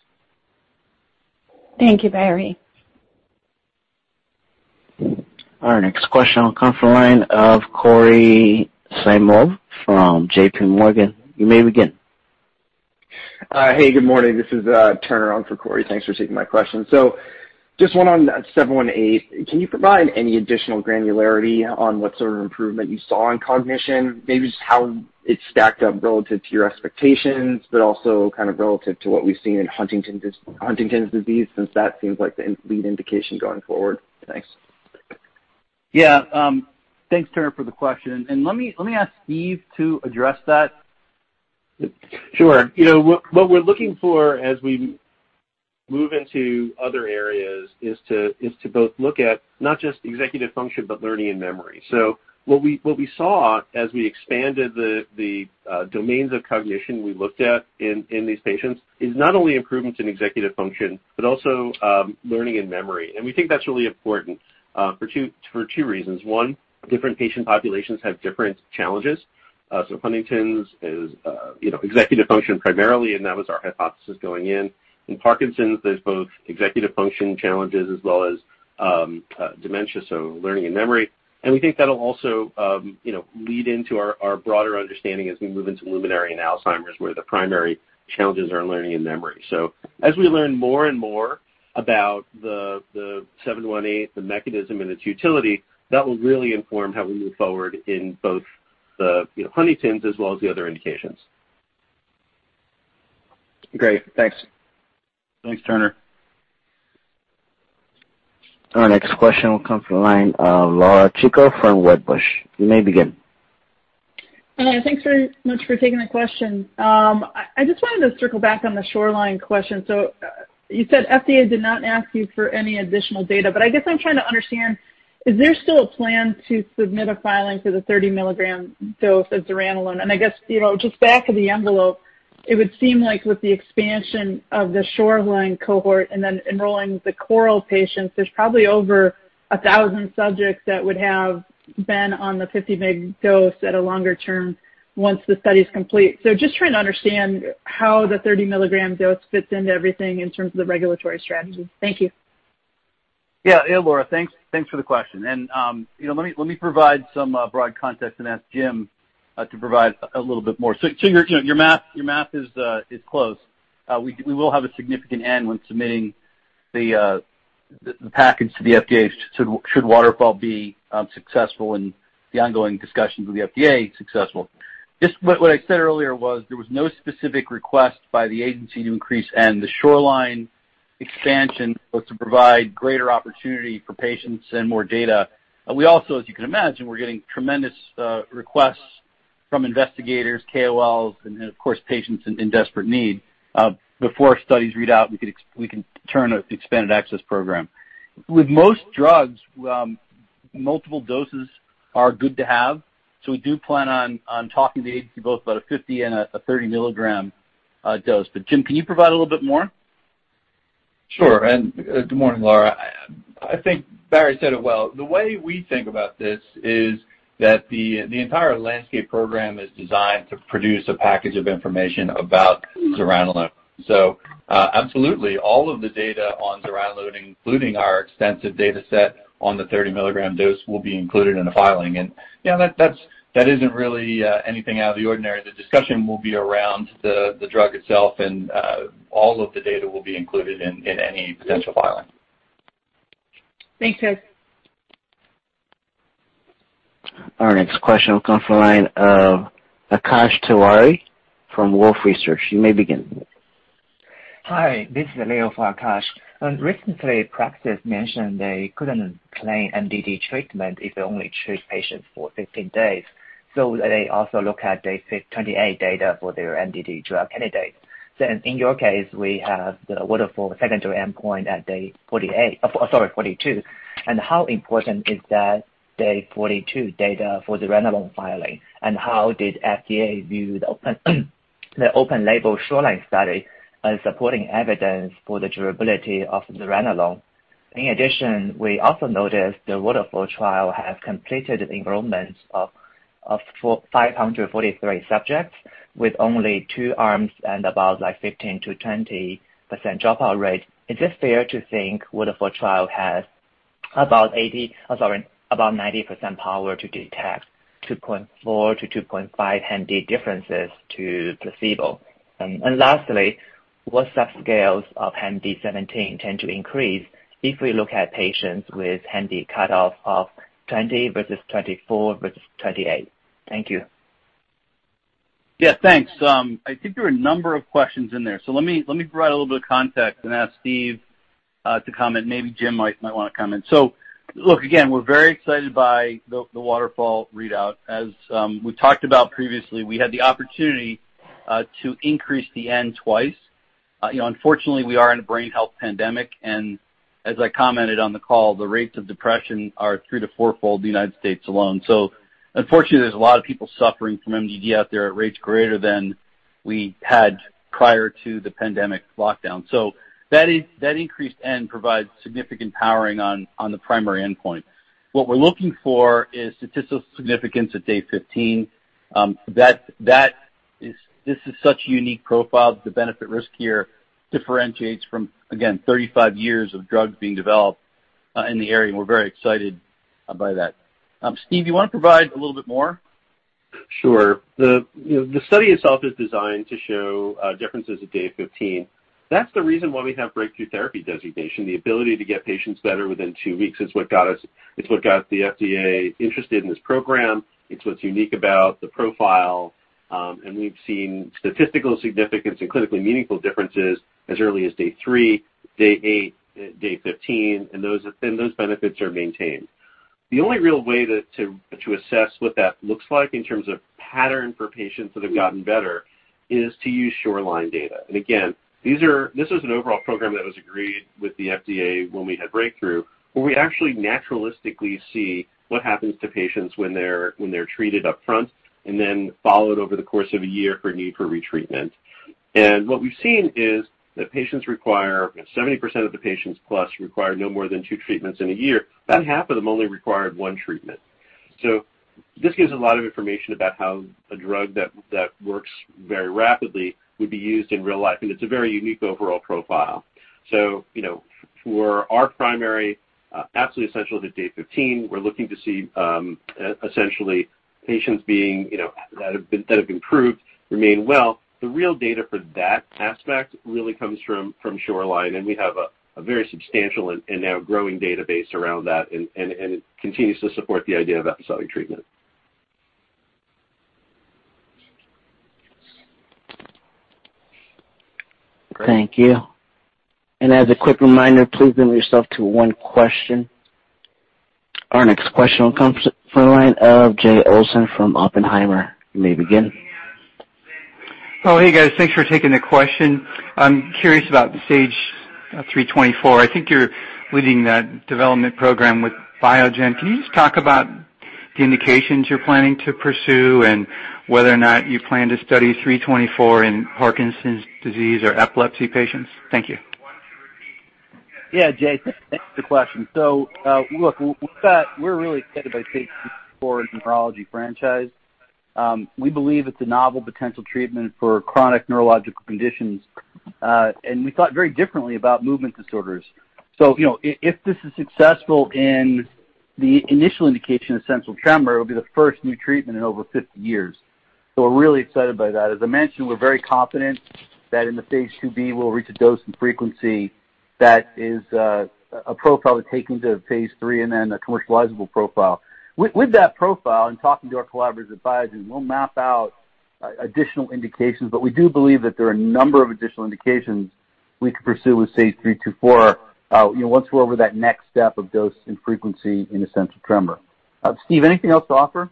Thank you, Barry. Our next question will come from the line of Cory Kasimov from JPMorgan. You may begin. Hey, good morning. This is Turner on for Cory. Thanks for taking my question. Just one on SAGE-718. Can you provide any additional granularity on what sort of improvement you saw in cognition, maybe just how it stacked up relative to your expectations, but also kind of relative to what we've seen in Huntington's disease, since that seems like the lead indication going forward? Thanks. Yeah. Thanks, Turner, for the question. Let me ask Steve to address that. Sure. What we're looking for as we move into other areas is to both look at not just executive function, but learning and memory. What we saw as we expanded the domains of cognition we looked at in these patients is not only improvements in executive function, but also learning and memory. We think that's really important for two reasons. One, different patient populations have different challenges. Huntington's is executive function primarily, and that was our hypothesis going in. In Parkinson's, there's both executive function challenges as well as dementia, so learning and memory. We think that'll also lead into our broader understanding as we move into LUMINARY and Alzheimer's, where the primary challenges are in learning and memory. As we learn more and more about SAGE-718, the mechanism and its utility, that will really inform how we move forward in both the Huntington's as well as the other indications. Great. Thanks. Thanks, Turner. Our next question will come from the line of Laura Chico from Wedbush. You may begin. Hello, thanks very much for taking the question. I just wanted to circle back on the SHORELINE question. You said FDA did not ask you for any additional data, but I guess I'm trying to understand, is there still a plan to submit a filing for the 30 mg dose of zuranolone? I guess, just back of the envelope, it would seem like with the expansion of the SHORELINE cohort and then enrolling the CORAL patients, there's probably over 1,000 subjects that would have been on the 50 mg dose at a longer term once the study is complete. Just trying to understand how the 30 mg dose fits into everything in terms of the regulatory strategy. Thank you. Yeah. Laura, thanks for the question. Let me provide some broad context and ask Jim to provide a little bit more. Your math is close. We will have a significant N when submitting the package to the FDA, should WATERFALL study be successful in the ongoing discussions with the FDA. What I said earlier was there was no specific request by the agency to increase N. The SHORELINE expansion was to provide greater opportunity for patients and more data. We also, as you can imagine, we're getting tremendous requests from investigators, KOLs, and of course, patients in desperate need. Before studies read out, we can turn an expanded access program. With most drugs, multiple doses are good to have. We do plan on talking to the agency both about a 50 mg and a 30 mg dose. Jim, can you provide a little bit more? Sure. Good morning, Laura. I think Barry said it well. The way we think about this is that the entire LANDSCAPE program is designed to produce a package of information about zuranolone. Absolutely all of the data on zuranolone, including our extensive data set on the 30 mg dose, will be included in the filing. That isn't really anything out of the ordinary. The discussion will be around the drug itself, and all of the data will be included in any potential filing. Thanks, guys. Our next question will come from the line of Akash Tewari from Wolfe Research. You may begin. Hi, this is for Akash. Recently, Praxis mentioned they couldn't claim MDD treatment if they only treat patients for 15 days, they also look at day 28 data for their MDD drug candidates. In your case, we have WATERFALL secondary endpoint at the 48. Sorry 42. How important is that day 42 data for the zuranolone filing? How did FDA view the open-label SHORELINE study as supporting evidence for the durability of zuranolone? In addition, we also noticed the WATERFALL trial has completed enrollment of 543 subjects with only two arms and about 15%-20% dropout rate. Is it fair to think WATERFALL trial has about 90% power to detect 2.4-2.5 HAM-D differences to placebo? Lastly, what subscales of HAM-D 17 tend to increase if we look at patients with HAM-D cutoff of 20 versus 24 versus 28? Thank you. Thanks. I think there were a number of questions in there. Let me provide a little bit of context and ask Steve to comment. Maybe Jim might want to comment. Look, again, we're very excited by the WATERFALL readout. As we talked about previously, we had the opportunity to increase the N twice. Unfortunately, we are in a brain health pandemic, and as I commented on the call, the rates of depression are three to fourfold in the U.S. alone. Unfortunately, there's a lot of people suffering from MDD out there at rates greater than we had prior to the pandemic lockdown. That increased N provides significant powering on the primary endpoint. What we're looking for is statistical significance at day 15. This is such a unique profile. The benefit-risk here differentiates from, again, 35 years of drugs being developed in the area, and we're very excited by that. Steve, you want to provide a little bit more? Sure. The study itself is designed to show differences at day 15. That's the reason why we have breakthrough therapy designation. The ability to get patients better within two weeks is what got the FDA interested in this program. It's what's unique about the profile. We've seen statistical significance and clinically meaningful differences as early as day three, day eight, day 15, and those benefits are maintained. The only real way to assess what that looks like in terms of pattern for patients that have gotten better is to use SHORELINE data. Again, this is an overall program that was agreed with the FDA when we had breakthrough, where we actually naturalistically see what happens to patients when they're treated up front and then followed over the course of a year for need for retreatment. What we've seen is that 70% of the patients plus require no more than two treatments in a year. About half of them only required one treatment. This gives a lot of information about how a drug that works very rapidly would be used in real life, and it's a very unique overall profile. For our primary, absolutely essential at day 15, we're looking to see essentially patients that have improved remain well. The real data for that aspect really comes from SHORELINE, and we have a very substantial and now growing database around that, and it continues to support the idea of episodic treatment. Thank you. As a quick reminder, please limit yourself to one question. Our next question will come from the line of Jay Olson from Oppenheimer. You may begin. Oh, hey, guys. Thanks for taking the question. I'm curious about the SAGE-324. I think you're leading that development program with Biogen. Can you just talk about the indications you're planning to pursue and whether or not you plan to study 324 in Parkinson's disease or epilepsy patients? Thank you. Jay. Thanks for the question. We're really excited about SAGE-324 as a neurology franchise. We believe it's a novel potential treatment for chronic neurological conditions. We thought very differently about movement disorders. If this is successful in the initial indication of essential tremor, it will be the first new treatment in over 50 years. We're really excited by that. As I mentioned, we're very confident that in the phase II-B, we'll reach a dose and frequency that is a profile to take into phase III and then a commercializable profile. With that profile and talking to our collaborators at Biogen, we'll map out additional indications. We do believe that there are a number of additional indications we could pursue with SAGE-324, once we're over that next step of dose and frequency in essential tremor. Steve, anything else to offer?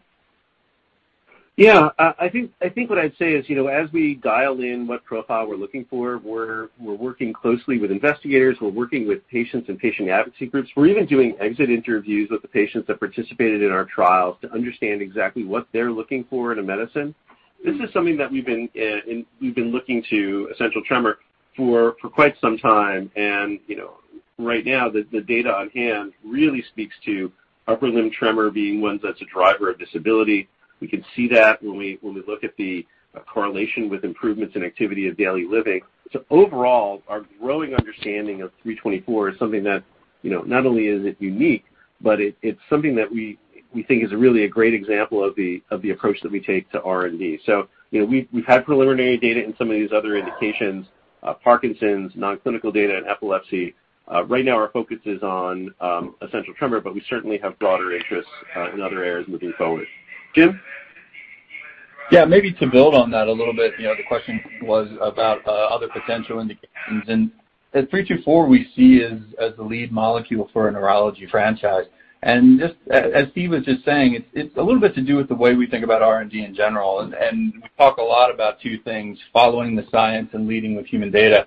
Yeah. I think what I'd say is, as we dial in what profile we're looking for, we're working closely with investigators, we're working with patients and patient advocacy groups. We're even doing exit interviews with the patients that participated in our trials to understand exactly what they're looking for in a medicine. This is something that we've been looking to essential tremor for quite some time, and right now, the data on hand really speaks to upper limb tremor being one that's a driver of disability. We can see that when we look at the correlation with improvements in activity of daily living. Overall, our growing understanding of SAGE-324 is something that not only is it unique, but it's something that we think is really a great example of the approach that we take to R&D. We've had preliminary data in some of these other indications, Parkinson's, non-clinical data, and epilepsy. Right now our focus is on essential tremor, but we certainly have broader interests in other areas moving forward. Jim? Yeah, maybe to build on that a little bit. The question was about other potential indications, and at 324, we see as the lead molecule for a neurology franchise. Just as Steve was just saying, it's a little bit to do with the way we think about R&D in general. We talk a lot about two things: following the science and leading with human data.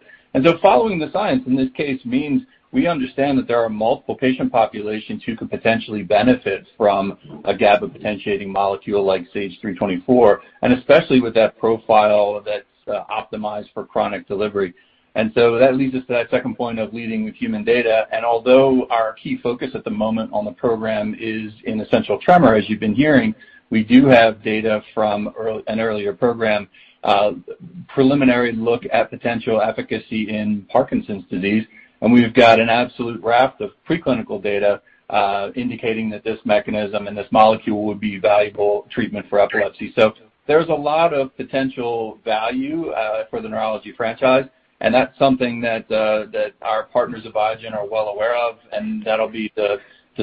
Following the science in this case means we understand that there are multiple patient populations who could potentially benefit from a GABA potentiating molecule like SAGE-324, and especially with that profile that's optimized for chronic delivery. That leads us to that second point of leading with human data. Although our key focus at the moment on the program is in essential tremor, as you've been hearing, we do have data from an earlier program, preliminary look at potential efficacy in Parkinson's disease. We've got an absolute raft of preclinical data indicating that this mechanism and this molecule would be valuable treatment for epilepsy. There's a lot of potential value for the neurology franchise, and that's something that our partners at Biogen are well aware of, and that'll be the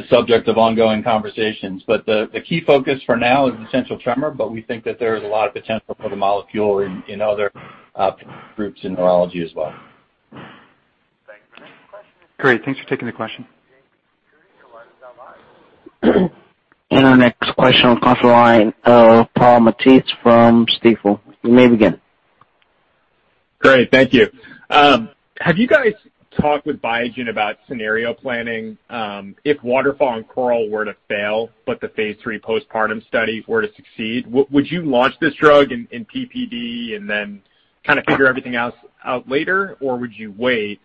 subject of ongoing conversations. The key focus for now is essential tremor, but we think that there is a lot of potential for the molecule in other groups in neurology as well. Thanks. Great. Thanks for taking the question. Our next question on the conference line, Paul Matteis from Stifel. You may begin. Great. Thank you. Have you guys talked with Biogen about scenario planning? If WATERFALL and CORAL were to fail, but the phase III postpartum study were to succeed, would you launch this drug in PPD and then kind of figure everything else out later, or would you wait?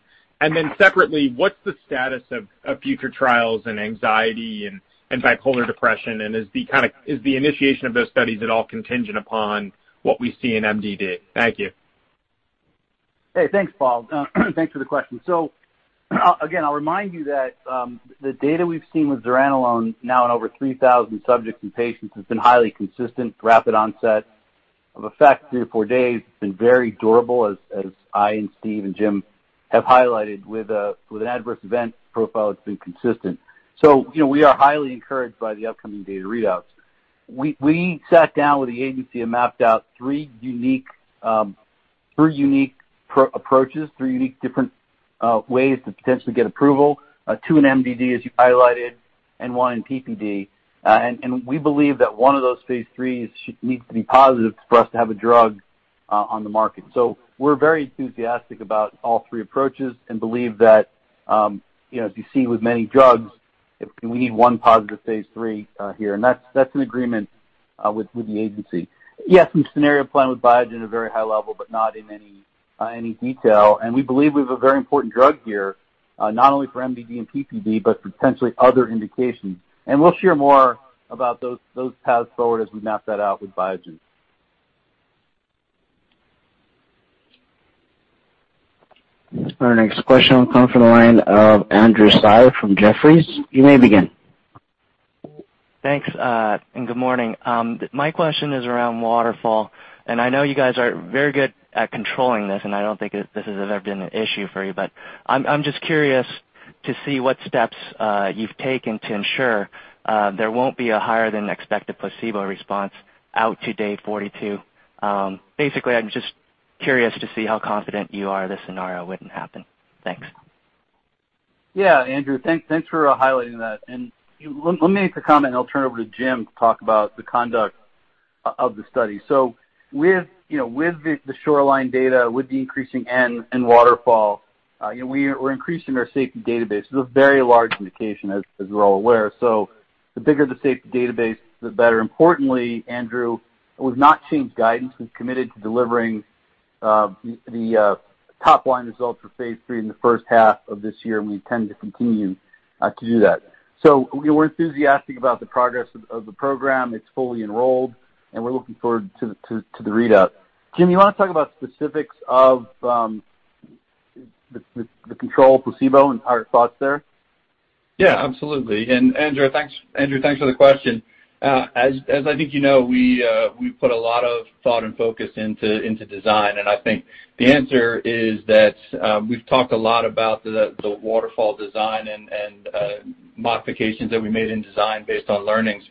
Separately, what's the status of future trials in anxiety and bipolar depression, and is the initiation of those studies at all contingent upon what we see in MDD? Thank you. Hey, thanks, Paul. Thanks for the question. Again, I'll remind you that the data we've seen with zuranolone now in over 3,000 subjects and patients has been highly consistent, rapid onset of effect, three to four days. It's been very durable, as I and Steve and Jim have highlighted. With an adverse event profile, it's been consistent. We are highly encouraged by the upcoming data readouts. We sat down with the agency and mapped out three unique approaches, three unique different ways to potentially get approval. Two in MDD, as you highlighted, and one in PPD. We believe that one of those phase IIIs needs to be positive for us to have a drug on the market. We're very enthusiastic about all three approaches and believe that, as you see with many drugs, we need one positive phase III here. That's in agreement with the agency. We had some scenario planning with Biogen at a very high level, but not in any detail. We believe we have a very important drug here, not only for MDD and PPD, but for potentially other indications. We'll share more about those paths forward as we map that out with Biogen. Our next question will come from the line of Andrew Tsai from Jefferies. You may begin. Thanks. Good morning. My question is around WATERFALL, and I know you guys are very good at controlling this, and I don't think this has ever been an issue for you, but I'm just curious to see what steps you've taken to ensure there won't be a higher than expected placebo response out to day 42. Basically, I'm just curious to see how confident you are this scenario wouldn't happen. Thanks. Yeah, Andrew, thanks for highlighting that. Let me make the comment, and I'll turn it over to Jim to talk about the conduct of the study. With the SHORELINE data, with the increasing N in WATERFALL, we're increasing our safety database. This is a very large indication, as we're all aware. The bigger the safety database, the better. Importantly, Andrew, we've not changed guidance. We've committed to delivering the top-line results for phase III in the first half of this year, and we intend to continue to do that. We're enthusiastic about the progress of the program. It's fully enrolled, and we're looking forward to the readout. Jim, you want to talk about specifics of the control placebo and our thoughts there? Yeah, absolutely. Andrew, thanks for the question. As I think you know, we put a lot of thought and focus into design, and I think the answer is that we've talked a lot about the WATERFALL design and modifications that we made in design based on learnings.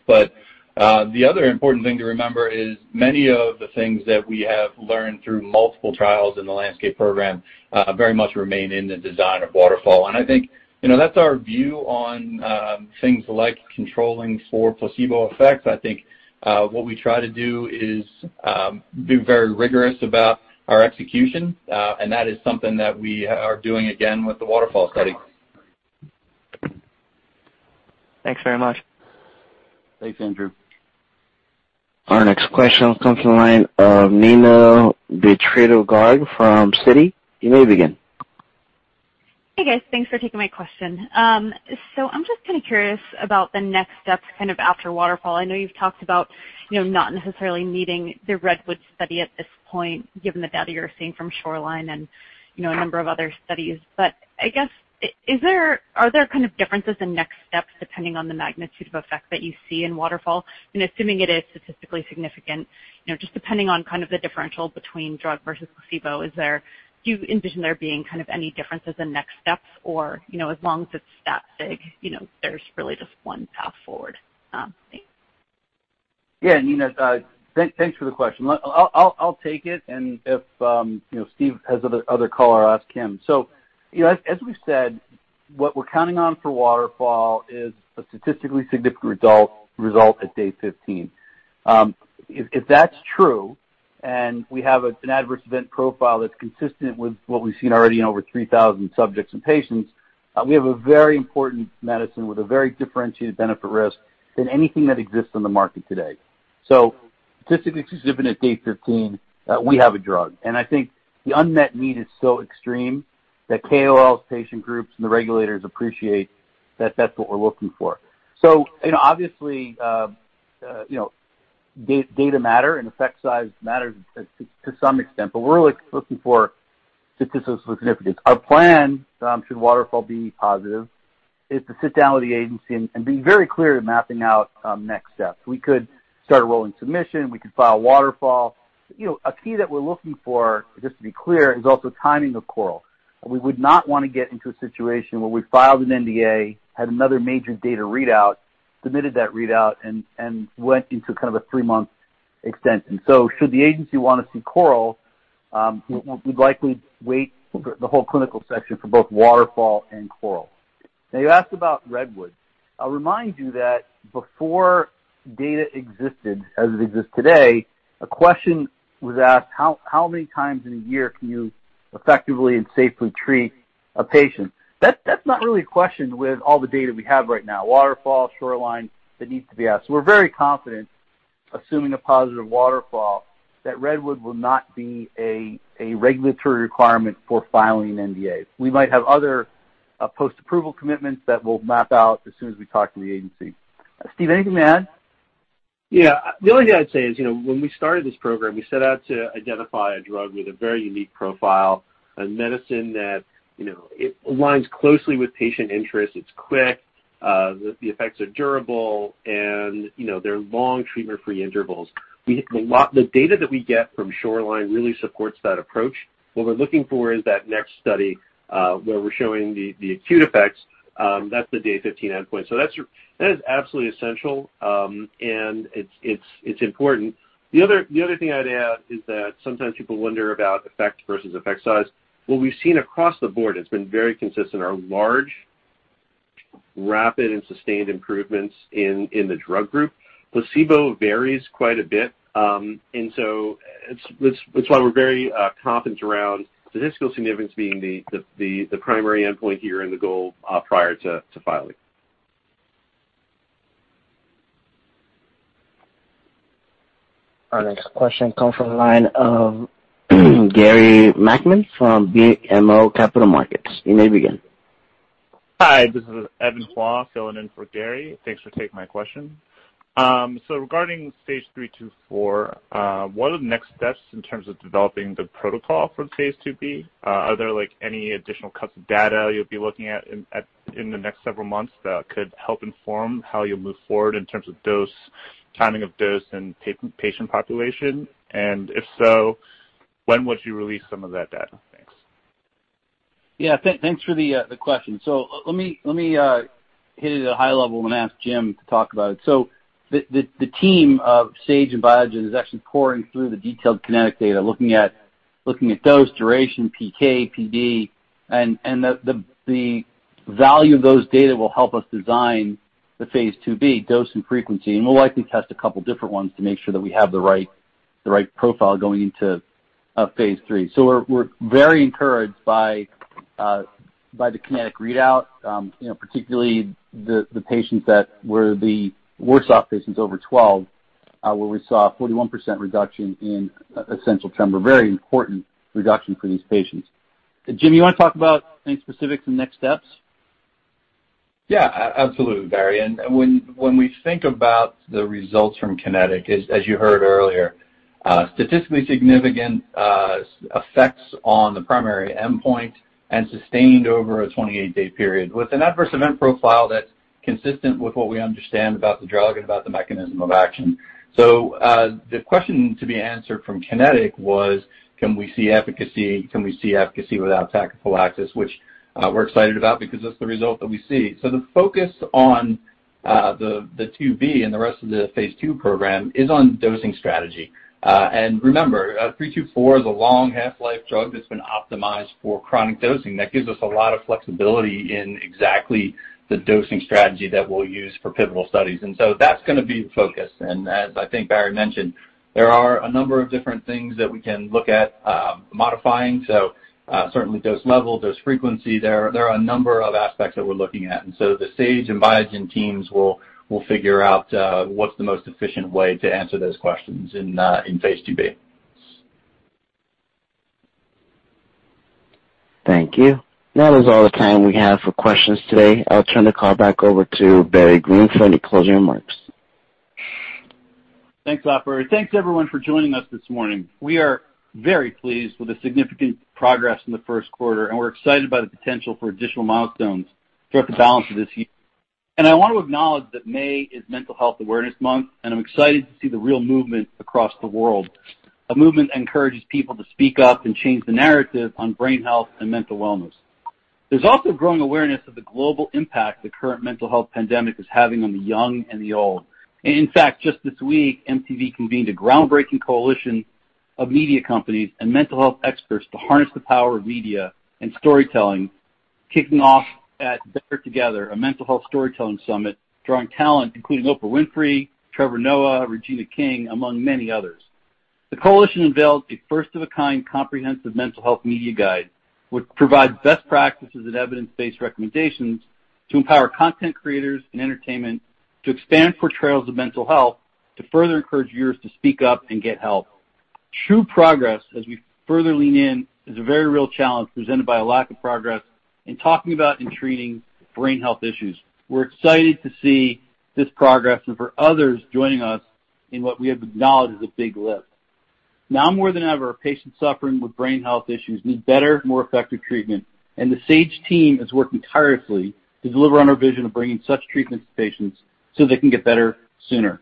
The other important thing to remember is many of the things that we have learned through multiple trials in the LANDSCAPE program very much remain in the design of WATERFALL. I think that's our view on things like controlling for placebo effects. I think what we try to do is be very rigorous about our execution, and that is something that we are doing again with the WATERFALL study. Thanks very much. Thanks, Andrew. Our next question comes from the line of Neena Bitritto-Garg from Citi. You may begin. Hey, guys. Thanks for taking my question. I'm just curious about the next steps after WATERFALL. I know you've talked about not necessarily needing the REDWOOD study at this point, given the data you're seeing from SHORELINE and a number of other studies. I guess, are there differences in next steps depending on the magnitude of effect that you see in WATERFALL? Assuming it is statistically significant, just depending on the differential between drug versus placebo, do you envision there being any differences in next steps? As long as it's that big, there's really just one path forward? Thanks. Neena, thanks for the question. I'll take it, and if Steve has other color, I'll ask him. As we've said, what we're counting on for WATERFALL is a statistically significant result at day 15. If that's true, and we have an adverse event profile that's consistent with what we've seen already in over 3,000 subjects and patients, we have a very important medicine with a very differentiated benefit risk than anything that exists on the market today. Statistically significant at day 15, we have a drug. I think the unmet need is so extreme that KOLs, patient groups, and the regulators appreciate that that's what we're looking for. Obviously, data matter and effect size matters to some extent, but we're really looking for statistical significance. Our plan, should WATERFALL be positive, is to sit down with the agency and be very clear in mapping out next steps. We could start a rolling submission. We could file WATERFALL. A key that we're looking for, just to be clear, is also timing of CORAL. We would not want to get into a situation where we filed an NDA, had another major data readout, submitted that readout, and went into a three-month extension. Should the agency want to see CORAL, we'd likely wait the whole clinical section for both WATERFALL and CORAL. You asked about REDWOOD. I'll remind you that before data existed as it exists today, a question was asked, how many times in a year can you effectively and safely treat a patient? That's not really a question with all the data we have right now, WATERFALL, SHORELINE, that needs to be asked. We're very confident, assuming a positive WATERFALL, that REDWOOD will not be a regulatory requirement for filing an NDA. We might have other post-approval commitments that we'll map out as soon as we talk to the agency. Steve, anything to add? Yeah. The only thing I'd say is, when we started this program, we set out to identify a drug with a very unique profile, a medicine that aligns closely with patient interest. It's quick, the effects are durable, and there are long treatment-free intervals. The data that we get from SHORELINE really supports that approach. What we're looking for is that next study where we're showing the acute effects. That's the day 15 endpoint. That is absolutely essential, and it's important. The other thing I'd add is that sometimes people wonder about effect versus effect size. What we've seen across the board has been very consistent are large, rapid, and sustained improvements in the drug group. Placebo varies quite a bit, and so that's why we're very confident around statistical significance being the primary endpoint here and the goal prior to filing. Our next question comes from the line of Gary Nachman from BMO Capital Markets. You may begin. Hi, this is Evan Hua filling in for Gary. Thanks for taking my question. Regarding SAGE-324, what are the next steps in terms of developing the protocol for phase II-B? Are there any additional cuts of data you'll be looking at in the next several months that could help inform how you'll move forward in terms of dose, timing of dose, and patient population? If so, when would you release some of that data? Thanks. Yeah. Thanks for the question. Let me hit it at a high level and ask Jim to talk about it. The team of Sage and Biogen is actually poring through the detailed KINETIC data, looking at dose, duration, PK, PD, and the value of those data will help us design the Phase II-B dose and frequency, and we'll likely test a couple different ones to make sure that we have the right profile going into Phase III. We're very encouraged by the KINETIC readout, particularly the patients that were the worst off patients over 12, where we saw a 41% reduction in essential tremor, very important reduction for these patients. Jim, you want to talk about anything specific to next steps? Yeah, absolutely, Barry. When we think about the results from KINETIC, as you heard earlier Statistically significant effects on the primary endpoint and sustained over a 28-day period with an adverse event profile that's consistent with what we understand about the drug and about the mechanism of action. The question to be answered from KINETIC was, can we see efficacy? Can we see efficacy without tachyphylaxis? Which we're excited about because that's the result that we see. The focus on the phase II-B and the rest of the phase II program is on dosing strategy. Remember, SAGE-324 is a long half-life drug that's been optimized for chronic dosing. That gives us a lot of flexibility in exactly the dosing strategy that we'll use for pivotal studies. That's going to be the focus. As I think Barry mentioned, there are a number of different things that we can look at modifying. Certainly dose level, dose frequency. There are a number of aspects that we're looking at. The Sage and Biogen teams will figure out what's the most efficient way to answer those questions in phase II-B. Thank you. That is all the time we have for questions today. I'll turn the call back over to Barry Greene for any closing remarks. Thanks, operator. Thanks, everyone, for joining us this morning. We are very pleased with the significant progress in the first quarter, we're excited by the potential for additional milestones throughout the balance of this year. I want to acknowledge that May is Mental Health Awareness Month, and I'm excited to see the real movement across the world. A movement that encourages people to speak up and change the narrative on brain health and mental wellness. There's also growing awareness of the global impact the current mental health pandemic is having on the young and the old. In fact, just this week, MTV convened a groundbreaking coalition of media companies and mental health experts to harness the power of media and storytelling, kicking off at Better Together, a mental health storytelling summit, drawing talent including Oprah Winfrey, Trevor Noah, Regina King, among many others. The coalition unveiled a first of a kind comprehensive mental health media guide, which provides best practices and evidence-based recommendations to empower content creators and entertainment to expand portrayals of mental health to further encourage viewers to speak up and get help. True progress, as we further lean in, is a very real challenge presented by a lack of progress in talking about and treating brain health issues. We're excited to see this progress and for others joining us in what we have acknowledged is a big lift. Now more than ever, patients suffering with brain health issues need better, more effective treatment, and the Sage team is working tirelessly to deliver on our vision of bringing such treatments to patients so they can get better sooner.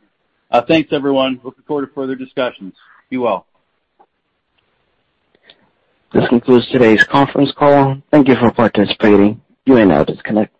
Thanks, everyone. Looking forward to further discussions. Be well. This concludes today's conference call. Thank you for participating. You may now disconnect.